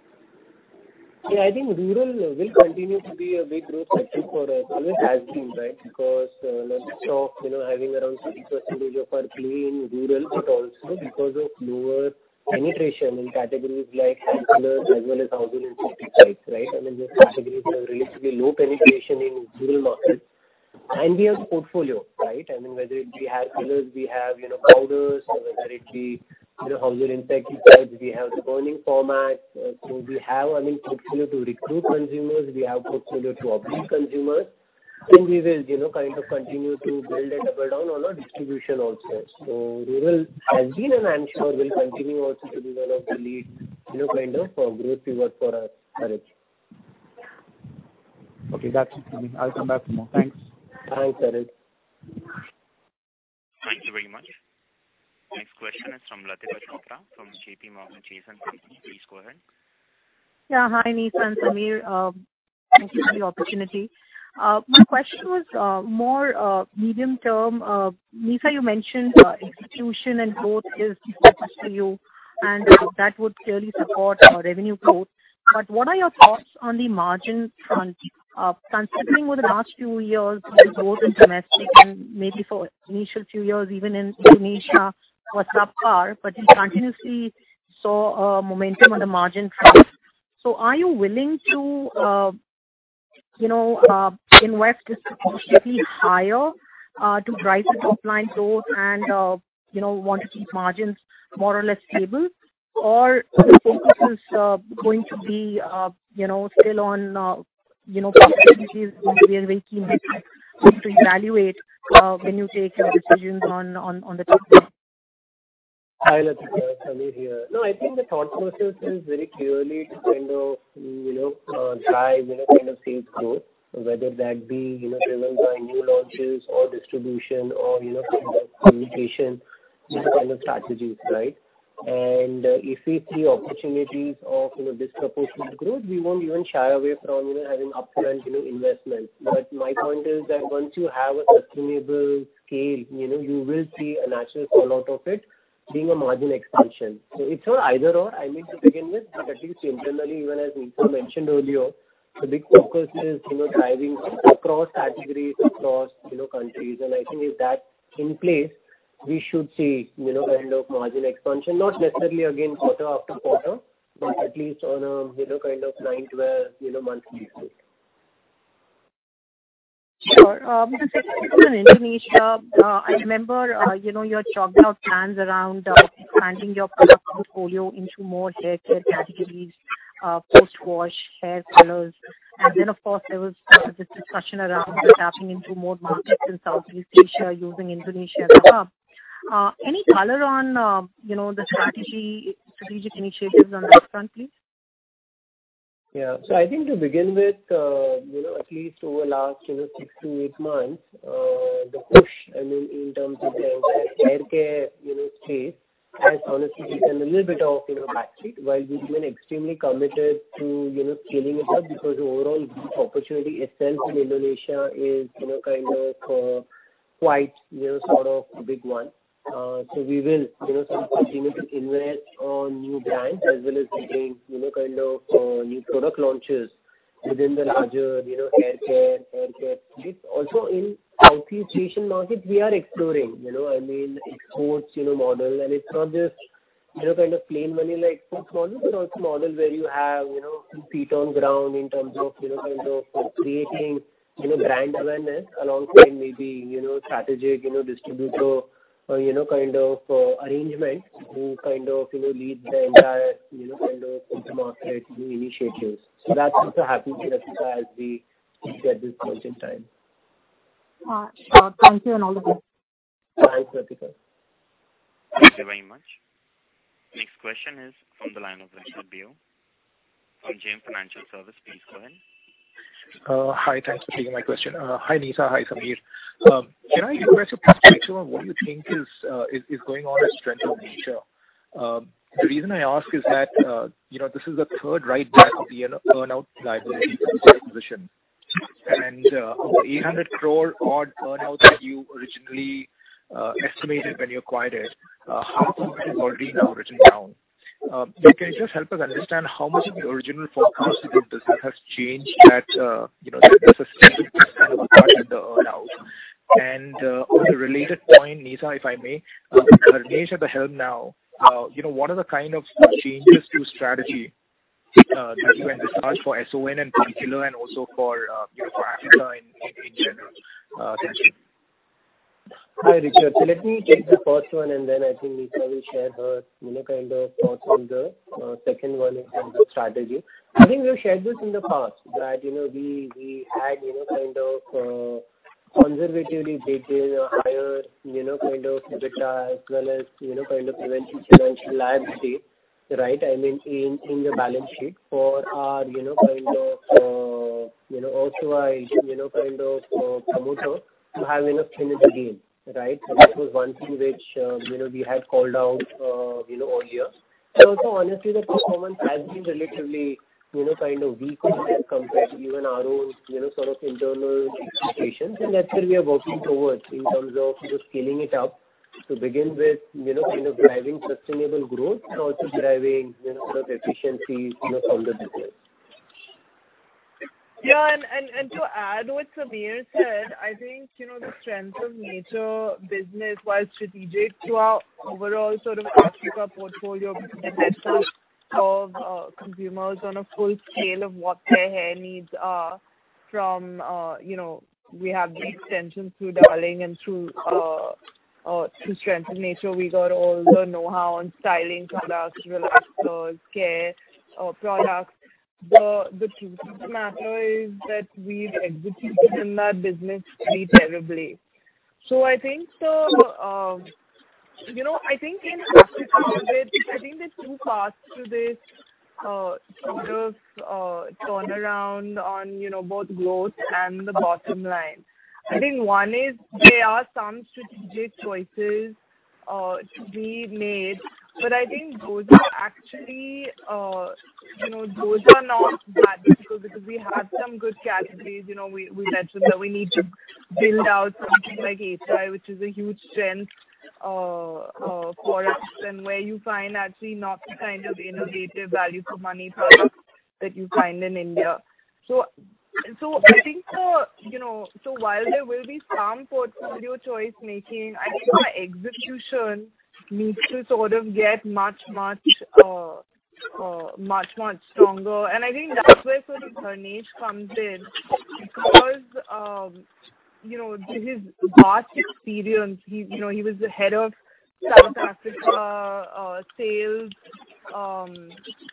Yeah, I think rural will continue to be a big growth sector for us. Always has been, because not just of having around 60% of our play in rural, but also because of lower penetration in categories like hair colors as well as household insecticides. Those categories have relatively low penetration in rural markets. We have the portfolio. Whether it be hair colors, we have powders or whether it be household insecticides, we have the burning formats. We have portfolio to recruit consumers, we have portfolio to upgrade consumers, and we will continue to build and double down on our distribution also. Rural has been, and I'm sure will continue also to be one of the lead growth drivers for us, Harit. Okay, that's it from me. I'll come back for more. Thanks. All right, Harit. Thank you very much. Next question is from Latika Chopra from J.P. Morgan Chase & Co. Please go ahead. Hi, Nisa and Sameer. Thank you for the opportunity. My question was more medium term. Nisa, you mentioned execution and growth is key for you, that would clearly support revenue growth. What are your thoughts on the margin front? Considering over the last few years, the growth in domestic and maybe for initial few years, even in Indonesia was subpar, we continuously saw a momentum on the margin front. Are you willing to invest disproportionately higher to drive this top-line growth and want to keep margins more or less stable? The focus is going to be still on opportunities which we are very keen to evaluate when you take your decisions on the top line? Hi, Latika. Sameer here. I think the thought process is very clearly to drive sales growth, whether that be driven by new launches or distribution or communication strategies. If we see opportunities of disproportionate growth, we won't even shy away from having upfront investments. My point is that once you have a sustainable scale, you will see a natural fallout of it being a margin expansion. It's not either/or, I mean, to begin with. At least internally, even as Nisaba mentioned earlier, the big focus is driving across categories, across countries. I think with that in place, we should see margin expansion, not necessarily again quarter after quarter, but at least on a 9-12 month view. Sure. Just on Indonesia, I remember your chalked out plans around expanding your product portfolio into more hair care categories, post-wash hair colors. Then, of course, there was this discussion around tapping into more markets in Southeast Asia using Indonesia as a hub. Any color on the strategic initiatives on that front, please? I think to begin with, at least over last six to eight months, the push in terms of the hair care space has honestly taken a little bit of a back seat. While we remain extremely committed to scaling it up, because overall growth opportunity itself in Indonesia is quite a big one. We will continue to invest on new brands as well as getting new product launches within the larger hair care, skin care space. Also in Southeast Asian markets, we are exploring exports model. It's not just plain vanilla exports model, but also model where you have some feet on ground in terms of creating brand awareness alongside maybe strategic distributor arrangement to lead the entire go-to-market initiatives. That's what's happening, Latika, as we speak at this point in time. Sure. Thank you and all the best. Thanks, Latika. Thank you very much. Next question is from the line of Richard Liu from JM Financial Services. Please go ahead. Hi. Thanks for taking my question. Hi, Nisaba. Hi, Sameer. Can I get your perspective on what you think is going on at Strength of Nature? The reason I ask is that this is the third write back of the earn-out liability since acquisition. Of the 800 crore odd earn-out that you originally estimated when you acquired it, half of it is already now written down. Can you just help us understand how much of your original forecast has changed that earn-out? On a related point, Nisaba, if I may, with Dharnesh at the helm now, what are the kind of changes to strategy that you envisage for SON in particular and also for Africa in general? Thank you. Hi, Richard. Let me take the first one, and then I think Nisa will share her thoughts on the second one in terms of strategy. I think we've shared this in the past that we had conservatively taken a higher EBITDA as well as financial liability in the balance sheet for our erstwhile promoter to have enough skin in the game. Right? That was one thing which we had called out all year. Honestly, the performance has been relatively weaker here compared to even our own sort of internal expectations. That's where we are working towards in terms of just scaling it up to begin with, kind of driving sustainable growth but also driving sort of efficiency from the business. Yeah. To add what Sameer said, I think the Strength of Nature business was strategic to our overall sort of Africa portfolio because it helps serve consumers on a full scale of what their hair needs are. We have the extensions through Darling and through Strength of Nature, we got all the know-how on styling products, relaxers, care products. The truth of the matter is that we've executed in that business very terribly. I think in Africa, I think there's two paths to this sort of turnaround on both growth and the bottom line. I think one is there are some strategic choices to be made, but I think those are not that difficult because we have some good categories. We mentioned that we need to build out something like HI, which is a huge strength for us, and where you find actually not the kind of innovative value for money products that you find in India. I think while there will be some portfolio choice making, I think our execution needs to sort of get much, much stronger. I think that's where sort of Dharnesh comes in because through his vast experience, he was the head of South Africa sales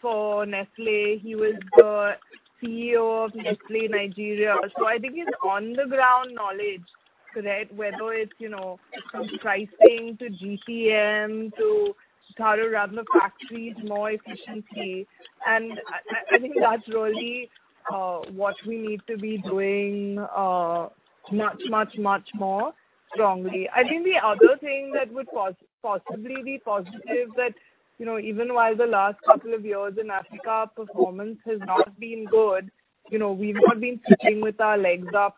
for Nestlé. He was the CEO of Nestlé Nigeria. I think his on-the-ground knowledge, whether it's from pricing to GPM, to how to run the factories more efficiently. I think that's really what we need to be doing much more strongly. I think the other thing that would possibly be positive that even while the last couple of years in Africa, performance has not been good, we've not been sitting with our legs up,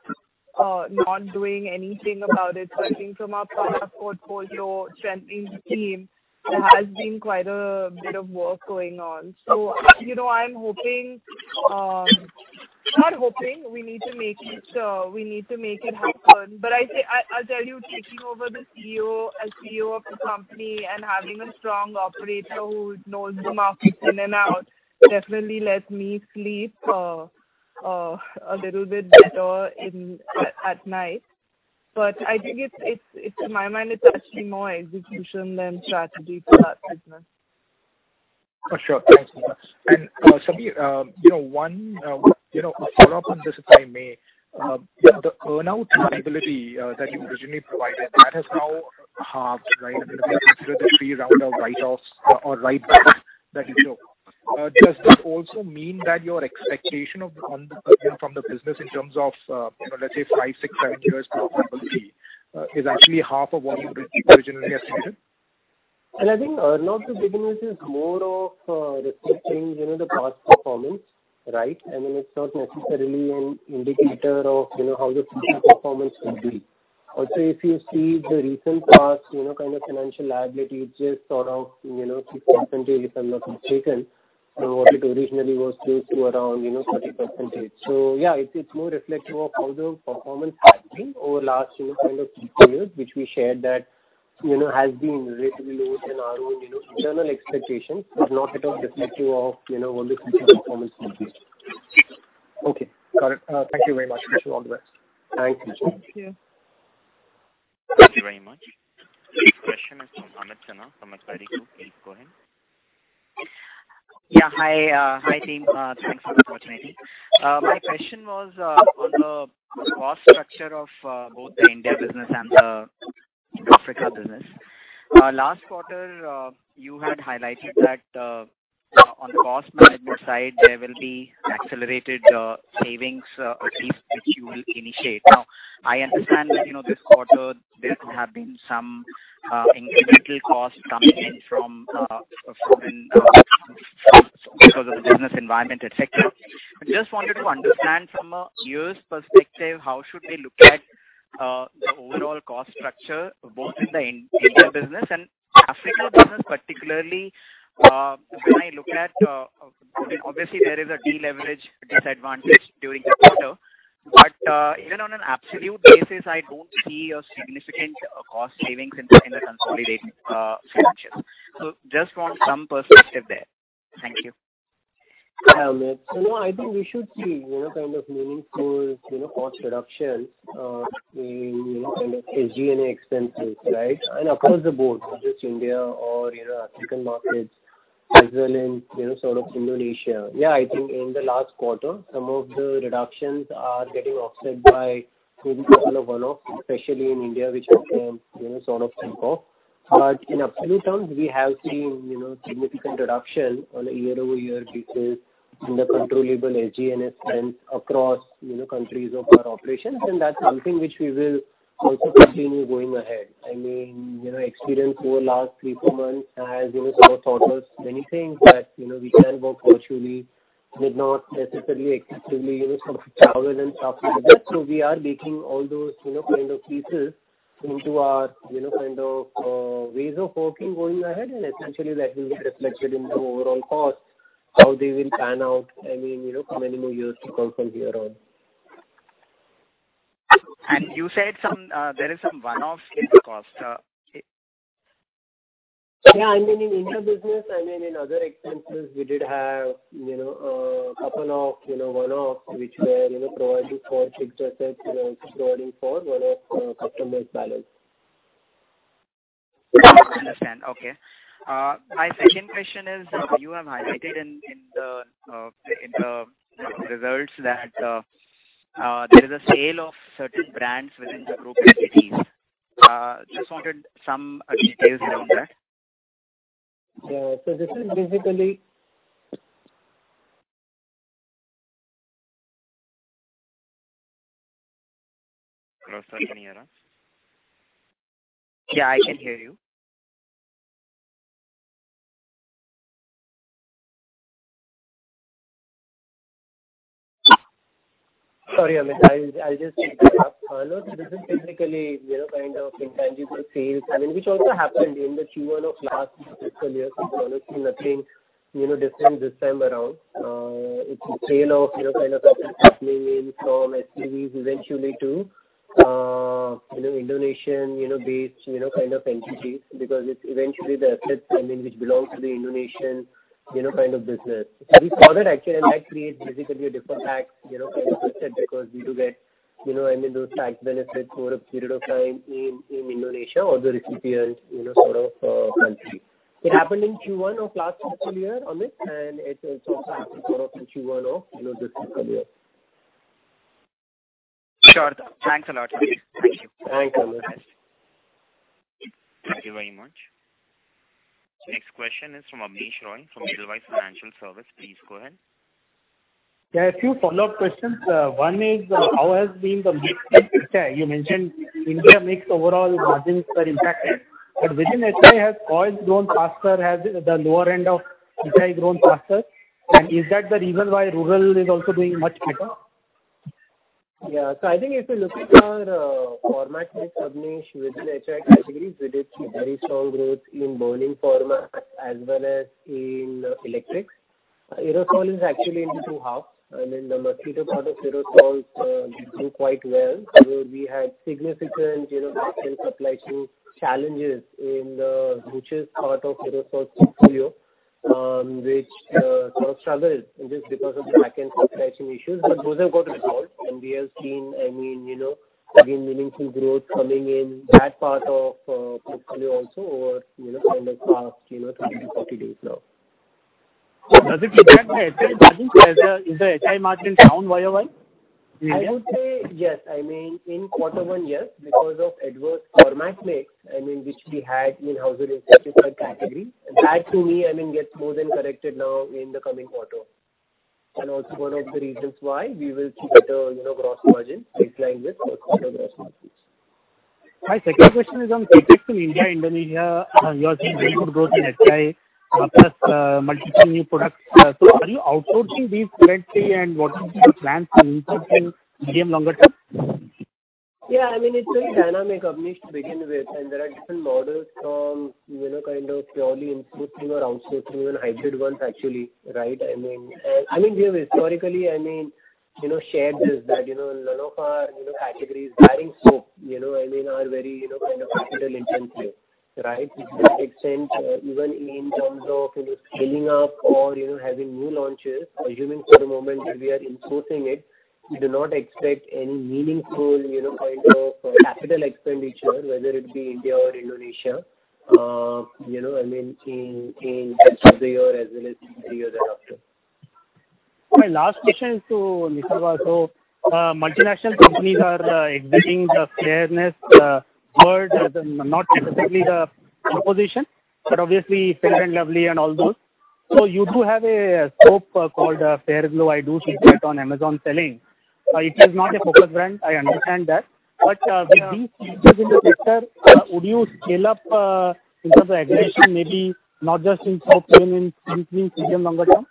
not doing anything about it. I think from a product portfolio strengthening the team, there has been quite a bit of work going on. I'm hoping Not hoping, we need to make it happen. I'll tell you, taking over as CEO of the company and having a strong operator who knows the market in and out definitely lets me sleep a little bit better at night. I think in my mind, it's actually more execution than strategy for that business. For sure. Thanks so much. Sameer, a follow-up on this, if I may. The earn-out liability that you originally provided, that has now halved, right? I mean, if you consider the three round of write backs that you took. Does this also mean that your expectation from the business in terms of, let's say five, six, seven years profitability, is actually half of what you originally estimated? I think earn-out to begin with is more of reflecting the past performance, right? Then it's not necessarily an indicator of how the future performance will be. Also, if you see the recent past, kind of financial liability, it's just sort of 6% if I'm not mistaken, from what it originally was close to around 30%. Yeah, it's more reflective of how the performance has been over last kind of three years, which we shared that has been relatively lower than our own internal expectations. It's not at all reflective of what the future performance will be. Okay, got it. Thank you very much. Wish you all the best. Thanks, Richard. Thank you. Thank you very much. Next question is from Amit Sinha from Macquarie. Please go ahead. Yeah. Hi. Hi, team. Thanks for the opportunity. My question was on the cost structure of both the India business and the Africa business. Last quarter, you had highlighted that on the cost management side, there will be accelerated savings, at least, which you will initiate. I understand that this quarter there could have been some incremental cost coming in from foreign because of the business environment, et cetera. I just wanted to understand from a year's perspective, how should we look at the overall cost structure, both in the India business and Africa business particularly. Obviously, there is a deleverage disadvantage during the quarter. Even on an absolute basis, I don't see a significant cost savings in the consolidated financials. I just want some perspective there. Thank you. Hi, Amit. No, I think we should see kind of meaningful cost reduction in SGA expenses, right? Across the board, not just India or African markets, Switzerland, Indonesia. I think in the last quarter, some of the reductions are getting offset by some sort of one-off, especially in India, which have been sort of some cost. In absolute terms, we have seen significant reduction on a year-over-year basis in the controllable SGA spend across countries of our operations, and that's something which we will also continue going ahead. Experience over last three, four months has taught us many things that we can work virtually, need not necessarily excessively travel and stuff like that. We are taking all those kind of pieces into our ways of working going ahead, and essentially that will get reflected in the overall cost, how they will pan out from annual years from hereon. You said there is some one-offs in the cost. In India business, in other expenses, we did have a couple of one-offs, which were provided for fixed assets and providing for one-off customer balance. Understand. Okay. My second question is, you have highlighted in the results that there is a sale of certain brands within the group entities. Just wanted some details around that. Yeah. This is basically. Sir, can you hear us? Yeah, I can hear you. Sorry, Amit. No, this is basically kind of intangible sales, which also happened in the Q1 of last fiscal year. Honestly, nothing different this time around. It's a sale of certain companies from SPVs, eventually to Indonesian-based kind of entities, because it's eventually the assets which belong to the Indonesian kind of business. We saw that actually and that creates basically a different tax kind of asset because we do get those tax benefits for a period of time in Indonesia or the recipient country. It happened in Q1 of last fiscal year, Amit, and it also happened sort of in Q1 of this fiscal year. Sure. Thanks a lot. Thank you. Thanks, Amit. Thank you very much. Next question is from Abneesh Roy from Edelweiss Financial Services. Please go ahead. Yeah, a few follow-up questions. One is, how has been the mix with HI? You mentioned India mix overall margins were impacted. Within HI, has coils grown faster? Has the lower end of HI grown faster? Is that the reason why rural is also doing much better? I think if you look at our format mix, Abneesh, within HI categories, we did see very strong growth in burning format as well as in electrics. Aerosol is actually into two halves. The mosquito part of aerosols did do quite well. We had significant back end supply chain challenges in the HIT's part of aerosol portfolio, which sort of struggled just because of the back end supply chain issues, but those have got resolved, and we have seen again, meaningful growth coming in that part of portfolio also over kind of past 30 to 40 days now. Does it impact the HI margins? Is the HI margin down YOY in India? I would say yes. In quarter one, yes, because of adverse format mix, which we had in household insecticides category. That to me, gets more than corrected now in the coming quarter. Also one of the reasons why we will see better gross margins declining with quarter gross margins. My second question is on CapEx in India, Indonesia. You are seeing very good growth in HI, plus multi-channel new products. Are you outsourcing these currently, and what is your plan to insource in medium longer term? Yeah, it's very dynamic, Abneesh, to begin with, and there are different models from purely insourcing or outsourcing or hybrid ones, actually, right? We have historically shared this that none of our categories, barring soap, are very capital intensive, right? To that extent, even in terms of scaling up or having new launches, assuming for the moment that we are insourcing it, we do not expect any meaningful kind of capital expenditure, whether it be India or Indonesia in rest of the year as well as three years after. My last question is to Nisaba. Multinational companies are exiting the fairness word, not specifically the proposition, but obviously Fair & Lovely and all those. You do have a soap called FairGlow. I do see it on Amazon selling. It is not a focused brand, I understand that. With these changes in the sector, would you scale up in terms of aggression? Maybe not just in soap but in between medium, longer term.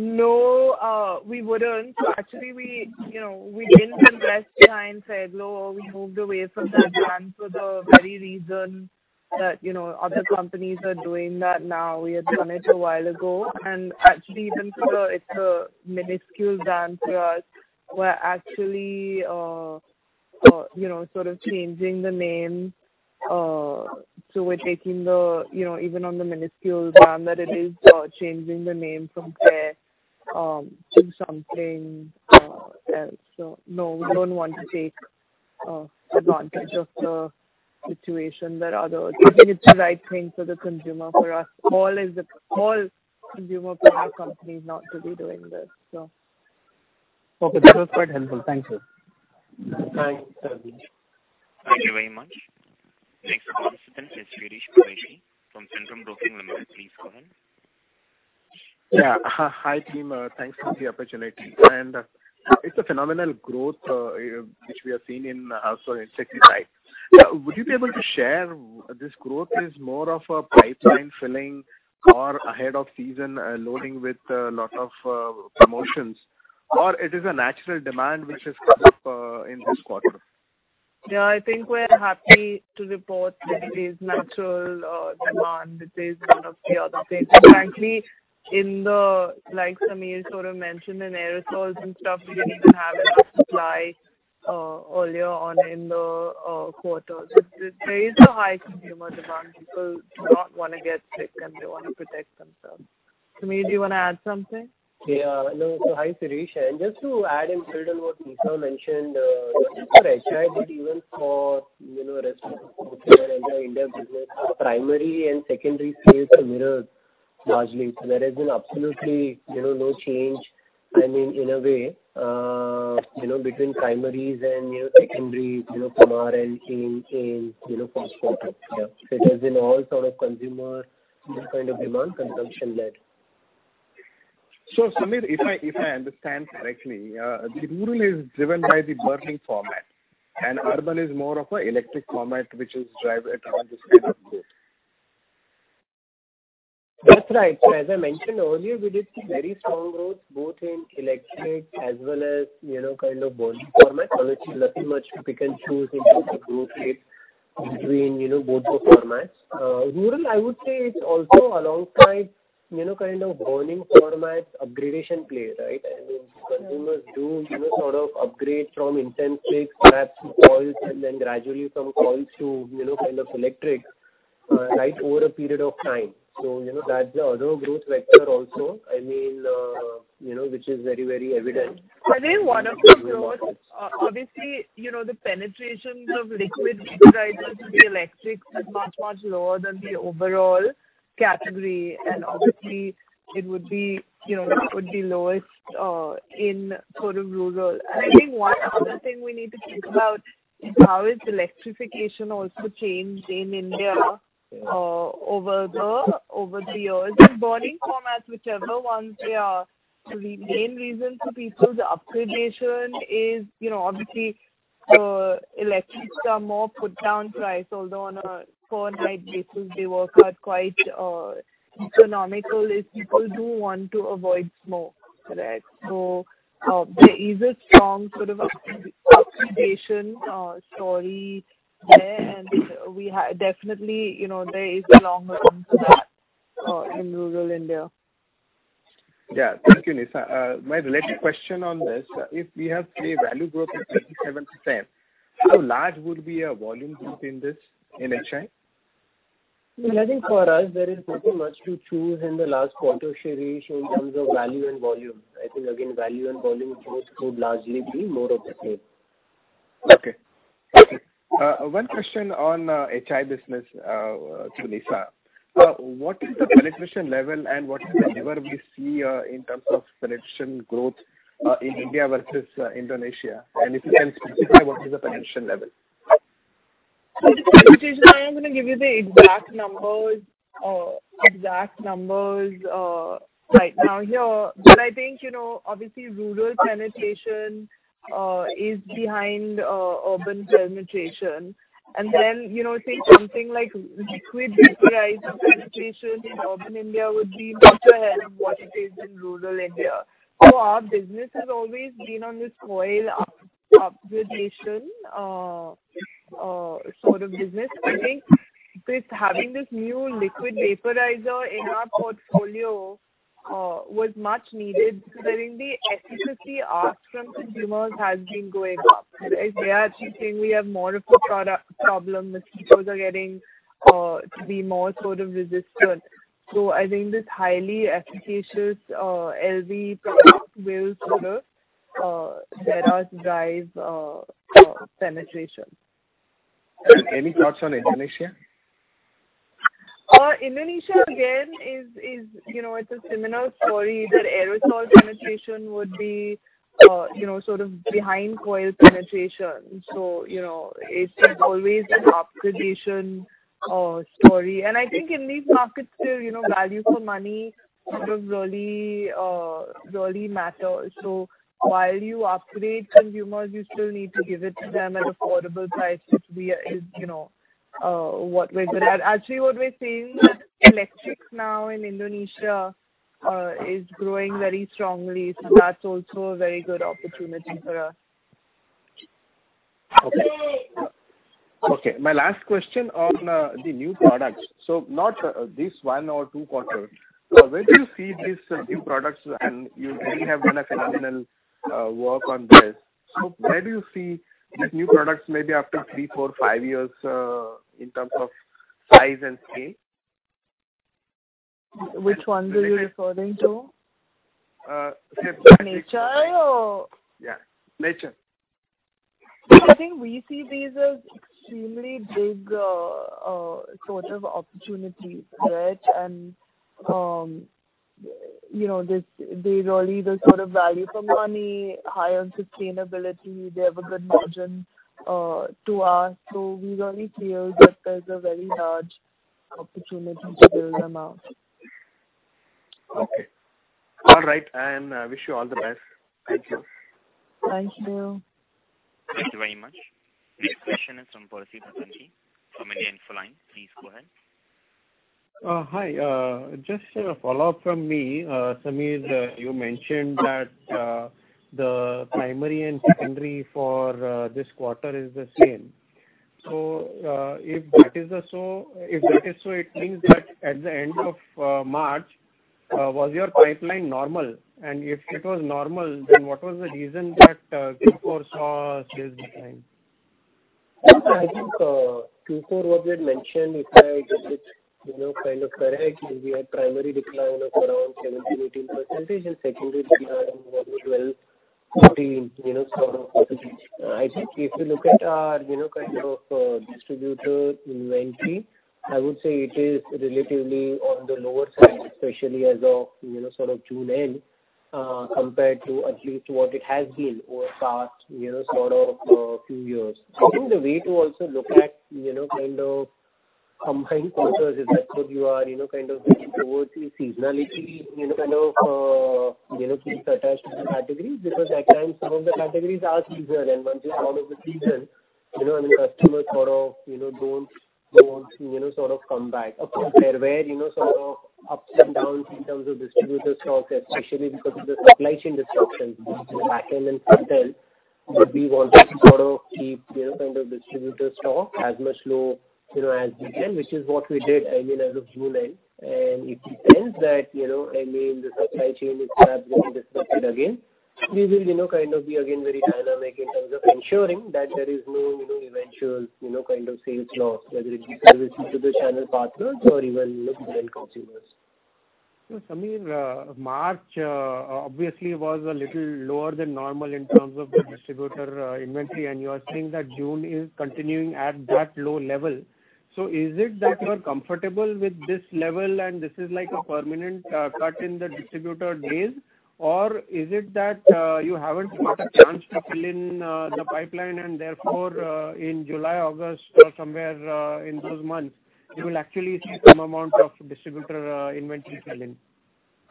No, we wouldn't. Actually, we didn't invest behind FairGlow or we moved away from that brand for the very reason that other companies are doing that now. We had done it a while ago. Actually, even though it's a minuscule brand for us, we're actually sort of changing the name. Even on the minuscule brand that it is, changing the name from fair to something else. No, we don't want to take advantage of the situation. We think it's the right thing for the consumer, for us all consumer product companies not to be doing this. Okay. This was quite helpful. Thank you. Thanks, Sarvesh. Thank you very much. Next participant is Shirish Pardesi from Centrum Broking Limited. Please go ahead. Yeah. Hi, team. Thanks for the opportunity. It's a phenomenal growth which we are seeing in household insecticides. Would you be able to share this growth is more of a pipeline filling or ahead of season loading with lot of promotions, or it is a natural demand which has come up in this quarter? Yeah, I think we're happy to report that it is natural demand. It is one of the other things, frankly, like Sameer sort of mentioned, in aerosols and stuff, we didn't have enough supply earlier on in the quarter. There is a high consumer demand. People do not want to get sick, and they want to protect themselves. Sameer, do you want to add something? Hi, Shirish. Just to add in further what Nisaba mentioned, not just for HI, but even for rest of the portfolio and the India business, primary and secondary sales mirrors largely. There has been absolutely no change in a way between primaries and secondaries, from our end in the first quarter. It has been all sort of consumer kind of demand consumption led. Sameer, if I understand correctly, the rural is driven by the burning format and urban is more of a electric format, which is driving this kind of growth? That's right. As I mentioned earlier, we did see very strong growth both in electric as well as kind of burning format. Actually nothing much to pick and choose in terms of growth rate between both those formats. Rural, I would say it's also alongside kind of burning format upgradation play, right? I mean, consumers do sort of upgrade from incense sticks perhaps to coils and then gradually from coils to kind of electric right over a period of time. That's the other growth vector also, I mean, which is very evident. I think one of the penetrations of liquid vaporizers to the electrics is much, much lower than the overall category. It would be lowest in sort of rural. One other thing we need to think about is how is electrification also changed in India over the years. In burning formats, whichever ones they are, the main reason for people's upgradation is obviously electrics are more put down price, although on a four-night basis they work out quite economical if people do want to avoid smoke. Correct? There is a strong sort of upgradation story there. Definitely there is a long run to that in rural India. Thank you, Nisaba. My related question on this, if we have say value growth of 67%, how large would be a volume growth in this in HI? I think for us there is nothing much to choose in the last quarter, Shirish, in terms of value and volume. I think again, value and volume growth could largely be more of the same. Okay. One question on HI business to Nisaba. What is the penetration level and what is the lever we see in terms of penetration growth in India versus Indonesia? If you can specify what is the penetration level? Shirish, I am going to give you the exact numbers right now here. I think, obviously rural penetration is behind urban penetration. Say something like liquid vaporizer penetration in urban India would be much ahead of what it is in rural India. Our business has always been on this coil upgradation sort of business. I think having this new liquid vaporizer in our portfolio was much needed because I think the efficacy ask from consumers has been going up, right? They are actually saying we have more of a product problem. Mosquitoes are getting to be more sort of resistant. I think this highly efficacious LV product will sort of let us drive penetration. Any thoughts on Indonesia? Indonesia, again, it's a similar story that aerosol penetration would be sort of behind coil penetration. It's just always an upgradation story. I think in these markets still, value for money sort of really matters. While you upgrade consumers, you still need to give it to them at affordable prices is what we're good at. Actually, what we're seeing, electric now in Indonesia is growing very strongly. That's also a very good opportunity for us. Okay. My last question on the new products. Not this one or two quarters. Where do you see these new products and you really have done a phenomenal work on this. Where do you see these new products maybe after three, four, five years, in terms of size and scale? Which ones are you referring to? Nature or- Yeah, Nature. I think we see these as extremely big sort of opportunities for it. They really the sort of value for money, high on sustainability. They have a good margin to us. We're really clear that there's a very large opportunity to build them out. Okay. All right. Wish you all the best. Thank you. Thank you. Thank you very much. Next question is from Percy Panthaki from India Infoline. Please go ahead. Hi. Just a follow-up from me. Sameer, you mentioned that the primary and secondary for this quarter is the same. If that is so, it means that at the end of March, was your pipeline normal? If it was normal, what was the reason that Q4 saw this decline? I think Q4 what we had mentioned, if I get it kind of correct, we had primary decline of around 17%-18% and secondary decline of around 12%-14% sort of percentage. I think if you look at our kind of distributor inventory, I would say it is relatively on the lower side, especially as of June end compared to at least what it has been over past sort of few years. I think the way to also look at kind of combined quarters is that's what you are kind of moving towards is seasonality kind of things attached to the categories because at times some of the categories are seasonal and once you're out of the season, and the customers sort of don't want to sort of come back. Of course, there were sort of ups and downs in terms of distributor stock, especially because of the supply chain disruptions in the back end and front end. We wanted to sort of keep kind of distributor stock as much low as we can, which is what we did, I mean, as of June end. If it turns that, I mean, the supply chain is perhaps going to be disrupted again, we will kind of be again very dynamic in terms of ensuring that there is no eventual kind of sales loss, whether it be services to the channel partners or even end consumers. Sameer, March obviously was a little lower than normal in terms of the distributor inventory, and you are saying that June is continuing at that low level. Is it that you are comfortable with this level and this is like a permanent cut in the distributor days or is it that you haven't got a chance to fill in the pipeline and therefore in July, August or somewhere in those months, you will actually see some amount of distributor inventory fill in?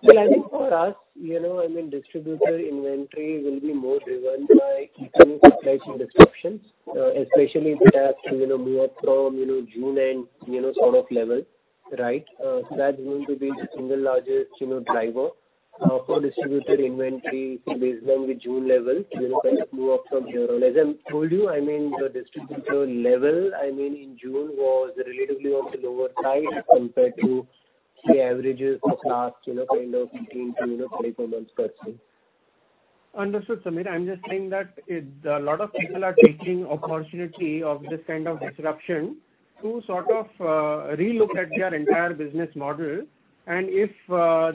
Well, I think for us, I mean, distributor inventory will be more driven by any supply chain disruptions, especially if it has to move from June-end sort of level, right? That's going to be the single largest driver for distributor inventory based on the June level, kind of move up from here on. As I told you, I mean, the distributor level in June was relatively on the lower side compared to the averages of last kind of 18 to 24 months per se. Understood, Sameer. I'm just saying that a lot of people are taking opportunity of this kind of disruption to sort of relook at their entire business model. If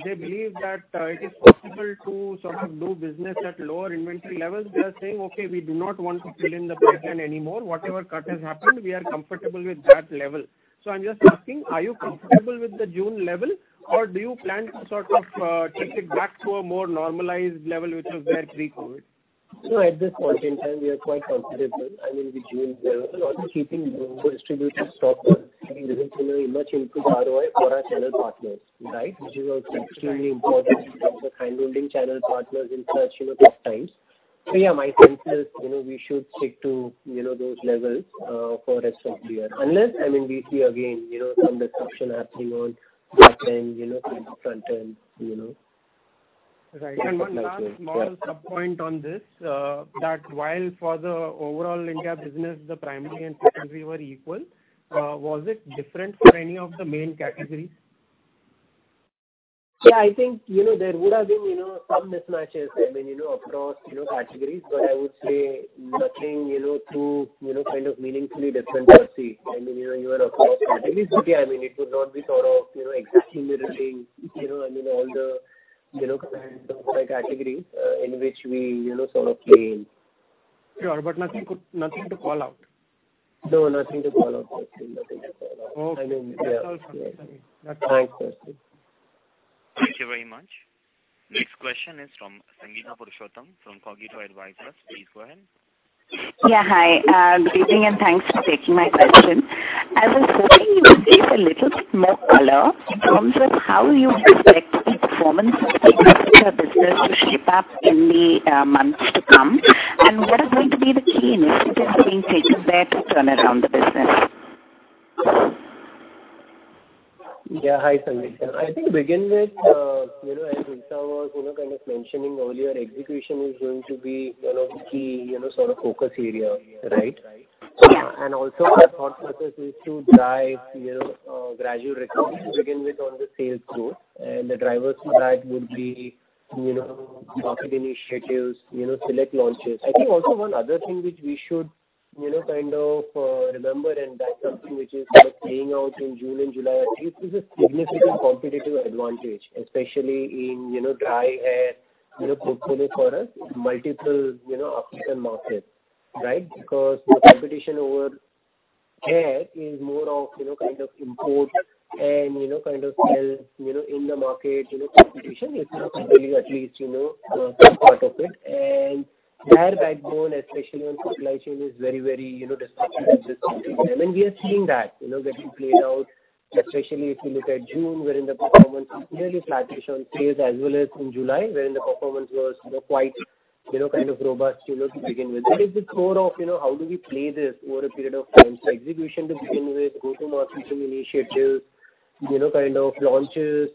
they believe that it is possible to sort of do business at lower inventory levels, they are saying, "Okay, we do not want to fill in the pipeline anymore. Whatever cut has happened, we are comfortable with that level." I'm just asking, are you comfortable with the June level or do you plan to sort of take it back to a more normalized level, which was there pre-COVID? At this point in time, we are quite comfortable. I mean, the June level also keeping distributor stock at a much improved ROI for our channel partners, right? Which is also extremely important in terms of handling channel partners in such tough times. Yeah, my sense is we should stick to those levels for rest of the year. Unless, I mean, we see again some disruption happening on back end, kind of front end. Right. One last small sub point on this, that while for the overall India business, the primary and secondary were equal, was it different for any of the main categories? Yeah, I think there would have been some mismatches, I mean, across categories. I would say nothing too kind of meaningfully different per se. I mean, you are across categories. I mean, it would not be sort of exactly mirroring all the kind of categories in which we sort of play in. Sure, but nothing to call out? No, nothing to call out. Okay. That's all. Thanks. Thank you very much. Next question is from Sangeeta Purushottam from Cogito Advisors. Please go ahead. Yeah. Hi. Good evening. Thanks for taking my question. I was hoping you would paint a little bit more color in terms of how you expect the performance of the Africa business to shape up in the months to come. What are going to be the key initiatives being taken there to turn around the business. Hi, Sangeeta. I think to begin with, as Nisaba was kind of mentioning earlier, execution is going to be the key sort of focus area, right? Also our thought process is to drive gradual recovery to begin with on the sales growth, the drivers for that would be market initiatives, select launches. I think also one other thing which we should kind of remember, that's something which is kind of playing out in June and July, at least, is a significant competitive advantage, especially in dry hair portfolio for us, multiple African markets, right? Because the competition over hair is more of import and kind of sales in the market competition. It's not really at least some part of it. Hair backbone, especially on supply chain, is very disruptive at this point in time. We are seeing that getting played out, especially if you look at June, wherein the performance was really flattish on sales, as well as in July, wherein the performance was quite kind of robust to begin with. That is the core of how do we play this over a period of time. Execution to begin with, go-to-market initiatives, kind of launches,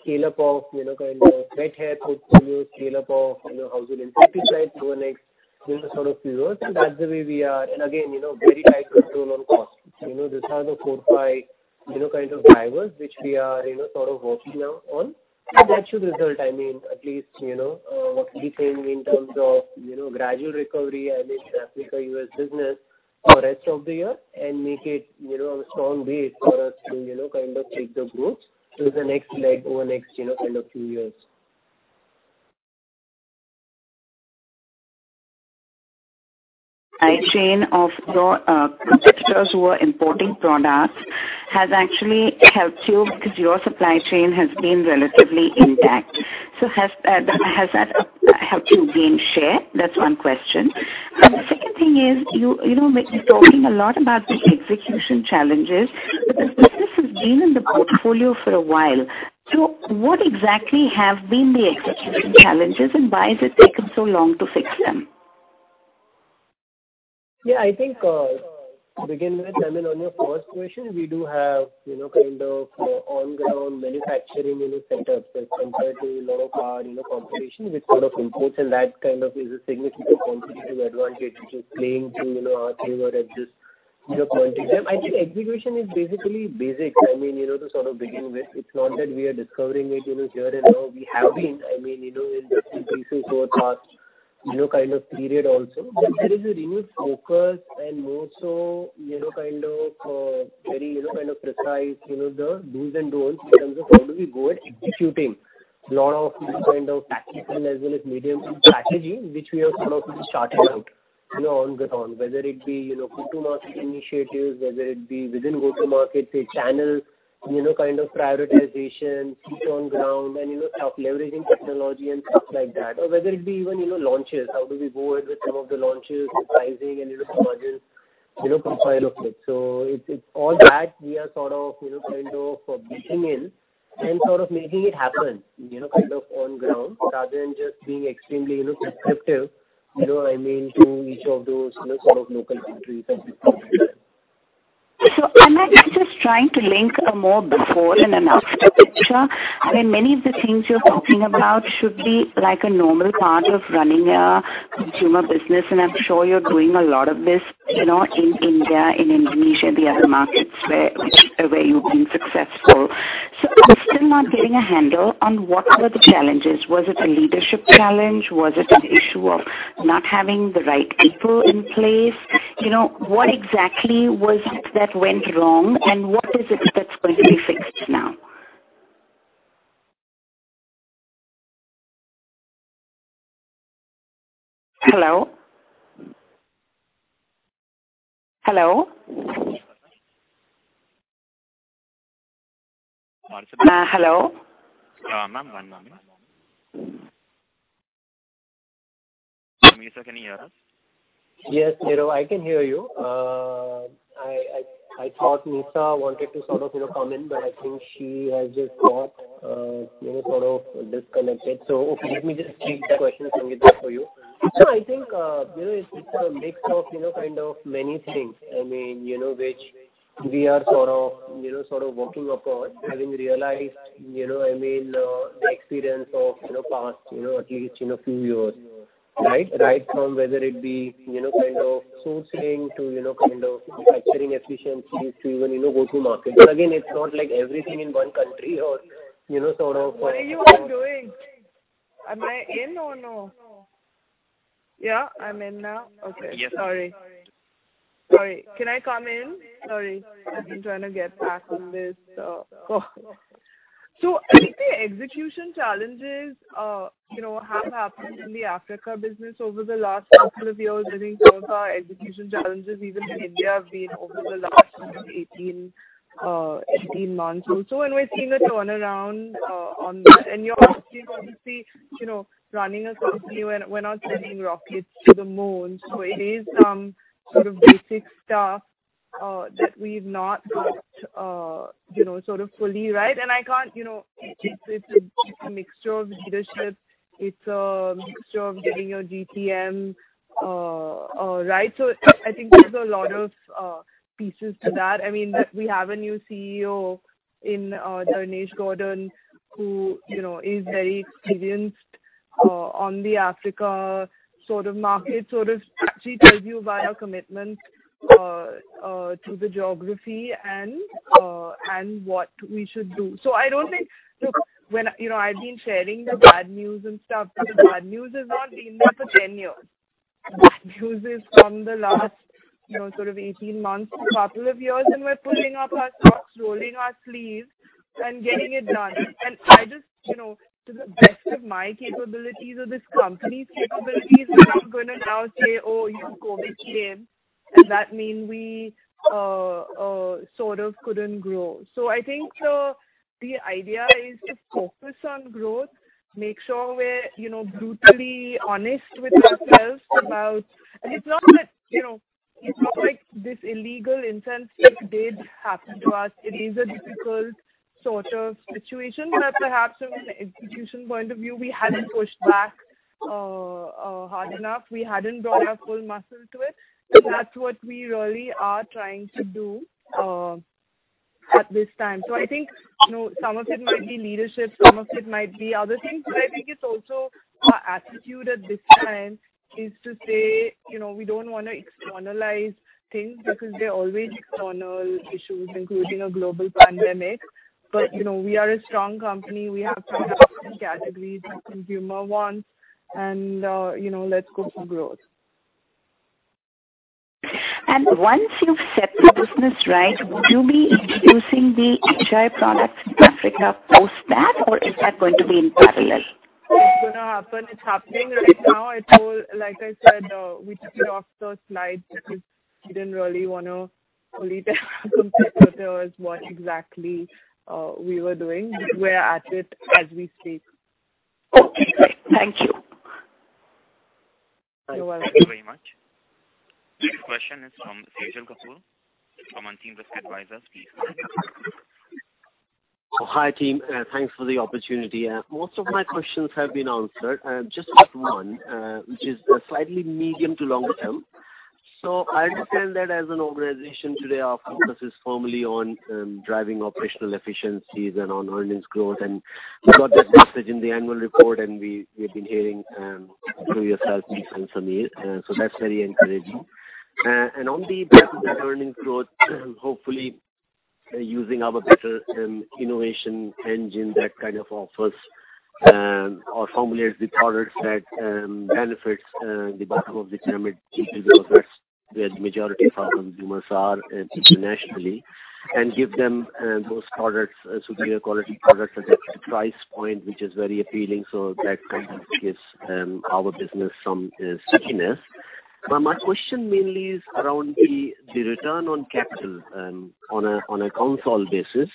scale-up of wet hair portfolio, scale-up of household disinfectants over next sort of years. That's the way we are. Again, very tight control on costs. These are the four, five kind of drivers which we are sort of working now on. That should result, I mean, at least what we think in terms of gradual recovery, I mean, in Africa U.S. business for rest of the year and make it a strong base for us to kind of take the growth to the next leg over next kind of few years. Supply chain of your competitors who are importing products has actually helped you because your supply chain has been relatively intact. Has that helped you gain share? That's one question. The second thing is, you're talking a lot about the execution challenges, but the business has been in the portfolio for a while. What exactly have been the execution challenges, and why has it taken so long to fix them? Yeah, I think to begin with, I mean, on your first question, we do have kind of on-ground manufacturing setups as compared to a lot of our competition, which sort of imports, and that kind of is a significant competitive advantage, which is playing to our favor at this point in time. I think execution is basically basics, I mean, to sort of begin with. It's not that we are discovering it here and now. We have been, I mean, investing pieces over past kind of period also. There is a renewed focus and more so kind of precise the dos and don'ts in terms of how do we go at executing a lot of this kind of tactical as well as medium strategy, which we have kind of restarted out on ground. Whether it be go-to-market initiatives, whether it be within go-to-market say channel kind of prioritization, feet on ground and leveraging technology and stuff like that. Whether it be even launches, how do we go with some of the launches, the pricing and the margin profile of it. It's all that we are sort of kind of pitching in and sort of making it happen kind of on ground rather than just being extremely prescriptive, I mean, to each of those sort of local countries at this point in time. Am I just trying to link a more before and an after picture? I mean, many of the things you're talking about should be like a normal part of running a consumer business, and I'm sure you're doing a lot of this in India, in Indonesia, the other markets where you've been successful. I'm still not getting a handle on what were the challenges. Was it a leadership challenge? Was it an issue of not having the right people in place? What exactly was it that went wrong, and what is it that's going to be fixed now? Hello. Hello. Hello. Ma'am, one moment. Nisaba, can you hear us? Yes, Niro, I can hear you. I thought Nisaba wanted to sort of comment, but I think she has just got sort of disconnected. Okay, let me just take the question, Sangeeta, for you. I think it's a mix of kind of many things, I mean, which we are sort of working upon, having realized, I mean, the experience of past at least few years, right? Right from whether it be kind of sourcing to kind of manufacturing efficiencies to even go-to-market. Again, it's not like everything in one country or sort of- What are you all doing? Am I in or no? Yeah, I'm in now. Okay. Yes. Sorry, can I come in? Sorry, I've been trying to get back on this stuff. I think the execution challenges have happened in the Africa business over the last couple of years. I think some of our execution challenges even in India have been over the last 18 months or so, we're seeing a turnaround on that. You're obviously running a company. We're not sending rockets to the moon, it is some sort of basic stuff that we've not got fully right. It's a mixture of leadership. It's a mixture of getting your GTM right. I think there's a lot of pieces to that. We have a new CEO in Dharnesh Gordhon, who is very experienced on the Africa market, this actually tells you about our commitment to the geography and what we should do. Look, I've been sharing the bad news and stuff, but the bad news has not been there for 10 years. Bad news is from the last 18 months to a couple of years, and we're pulling up our socks, rolling our sleeves, and getting it done. To the best of my capabilities or this company's capabilities, I'm not going to now say, "Oh, COVID came, and that mean we sort of couldn't grow." I think the idea is just focus on growth, make sure we're brutally honest with ourselves. It's not like this illegal incident did happen to us. It is a difficult situation, where perhaps from an execution point of view, we hadn't pushed back hard enough. We hadn't brought our full muscle to it. That's what we really are trying to do at this time. I think some of it might be leadership, some of it might be other things. I think it's also our attitude at this time is to say, we don't want to externalize things because they're always external issues, including a global pandemic. We are a strong company. We have strong categories that consumer wants, and let's go for growth. Once you've set the business right, would you be introducing the HI products in Africa post that, or is that going to be in parallel? It's going to happen. It's happening right now. Like I said, we took it off the slides because we didn't really want to fully tell our competitors what exactly we were doing. We're at it as we speak. Okay, great. Thank you. You're welcome. Thank you very much. The next question is from Sejal Kathuria from Anthem Investment Advisors. Please go ahead. Hi, team. Thanks for the opportunity. Most of my questions have been answered. Just one, which is slightly medium to long term. I understand that as an organization today, our focus is firmly on driving operational efficiencies and on earnings growth. We got that message in the annual report, and we've been hearing through yourself, Nisaba, Sameer. That's very encouraging. On the back of that earnings growth, hopefully using our better innovation engine that kind of offers or formulates the products that benefits the bottom of the pyramid consumer, where the majority of our consumers are internationally, and give them those products, superior quality products at a price point which is very appealing. That kind of gives our business some stickiness. My question mainly is around the return on capital on a consol basis.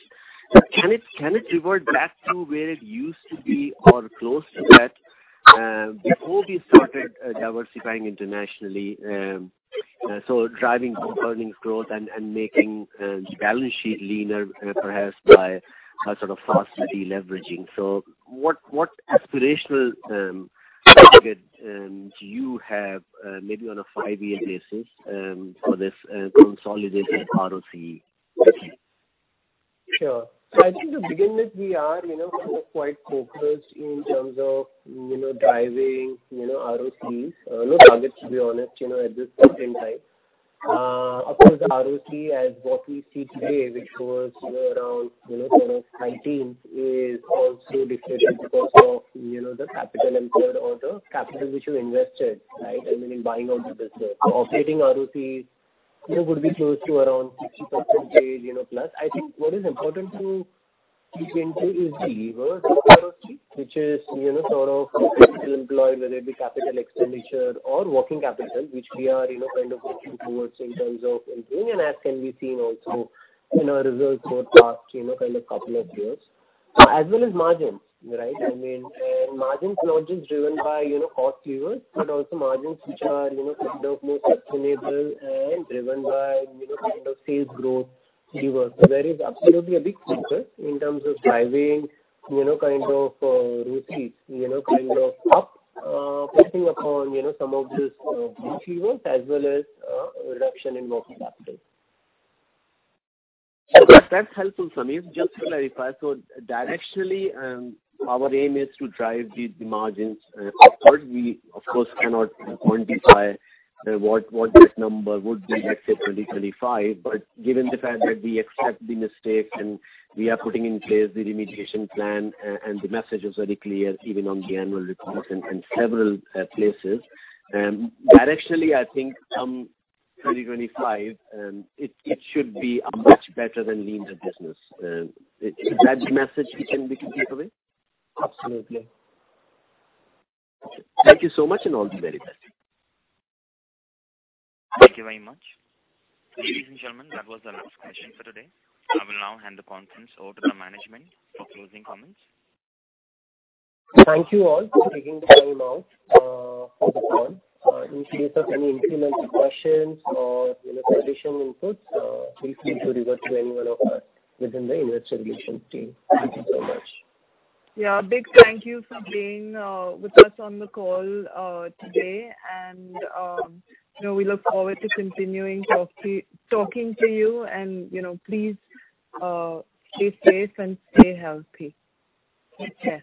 Can it revert back to where it used to be or close to that before we started diversifying internationally? Driving earnings growth and making the balance sheet leaner, perhaps by a sort of fast de-leveraging. What aspirational target do you have, maybe on a five-year basis, for this consolidated ROC? Sure. I think to begin with, we are quite focused in terms of driving ROCE. No targets, to be honest at this point in time. Of course, the ROC as what we see today, which was around sort of 19%, is also deflated because of the capital employed or the capital which you invested, right? I mean, in buying out the business. Operating ROCE would be close to around 60% range plus. I think what is important to keep in view is the levers of ROC, which is capital employed, whether it be capital expenditure or working capital, which we are kind of working towards in terms of improving, and as can be seen also in our results for the past couple of years. As well as margins, right? I mean, margins not just driven by cost levers, but also margins which are more sustainable and driven by sales growth levers. There is absolutely a big focus in terms of driving ROCE up, focusing upon some of these key levers, as well as a reduction in working capital. That's helpful, Sameer. Just to clarify, directionally, our aim is to drive the margins upward. We, of course, cannot quantify what this number would be, let's say, 2025. Given the fact that we accept the mistakes and we are putting in place the remediation plan and the message is very clear, even on the annual reports and several places. Directionally, I think come 2025, it should be a much better than leaner business. Is that the message we can basically give away? Absolutely. Thank you so much, and all the very best. Thank you very much. Ladies and gentlemen, that was the last question for today. I will now hand the conference over to the management for closing comments. Thank you all for taking the time out for the call. In case of any important questions or additional inputs, feel free to revert to any one of us within the investor relations team. Thank you so much. Yeah. A big thank you for being with us on the call today, and we look forward to continuing talking to you and please stay safe and stay healthy. Yes.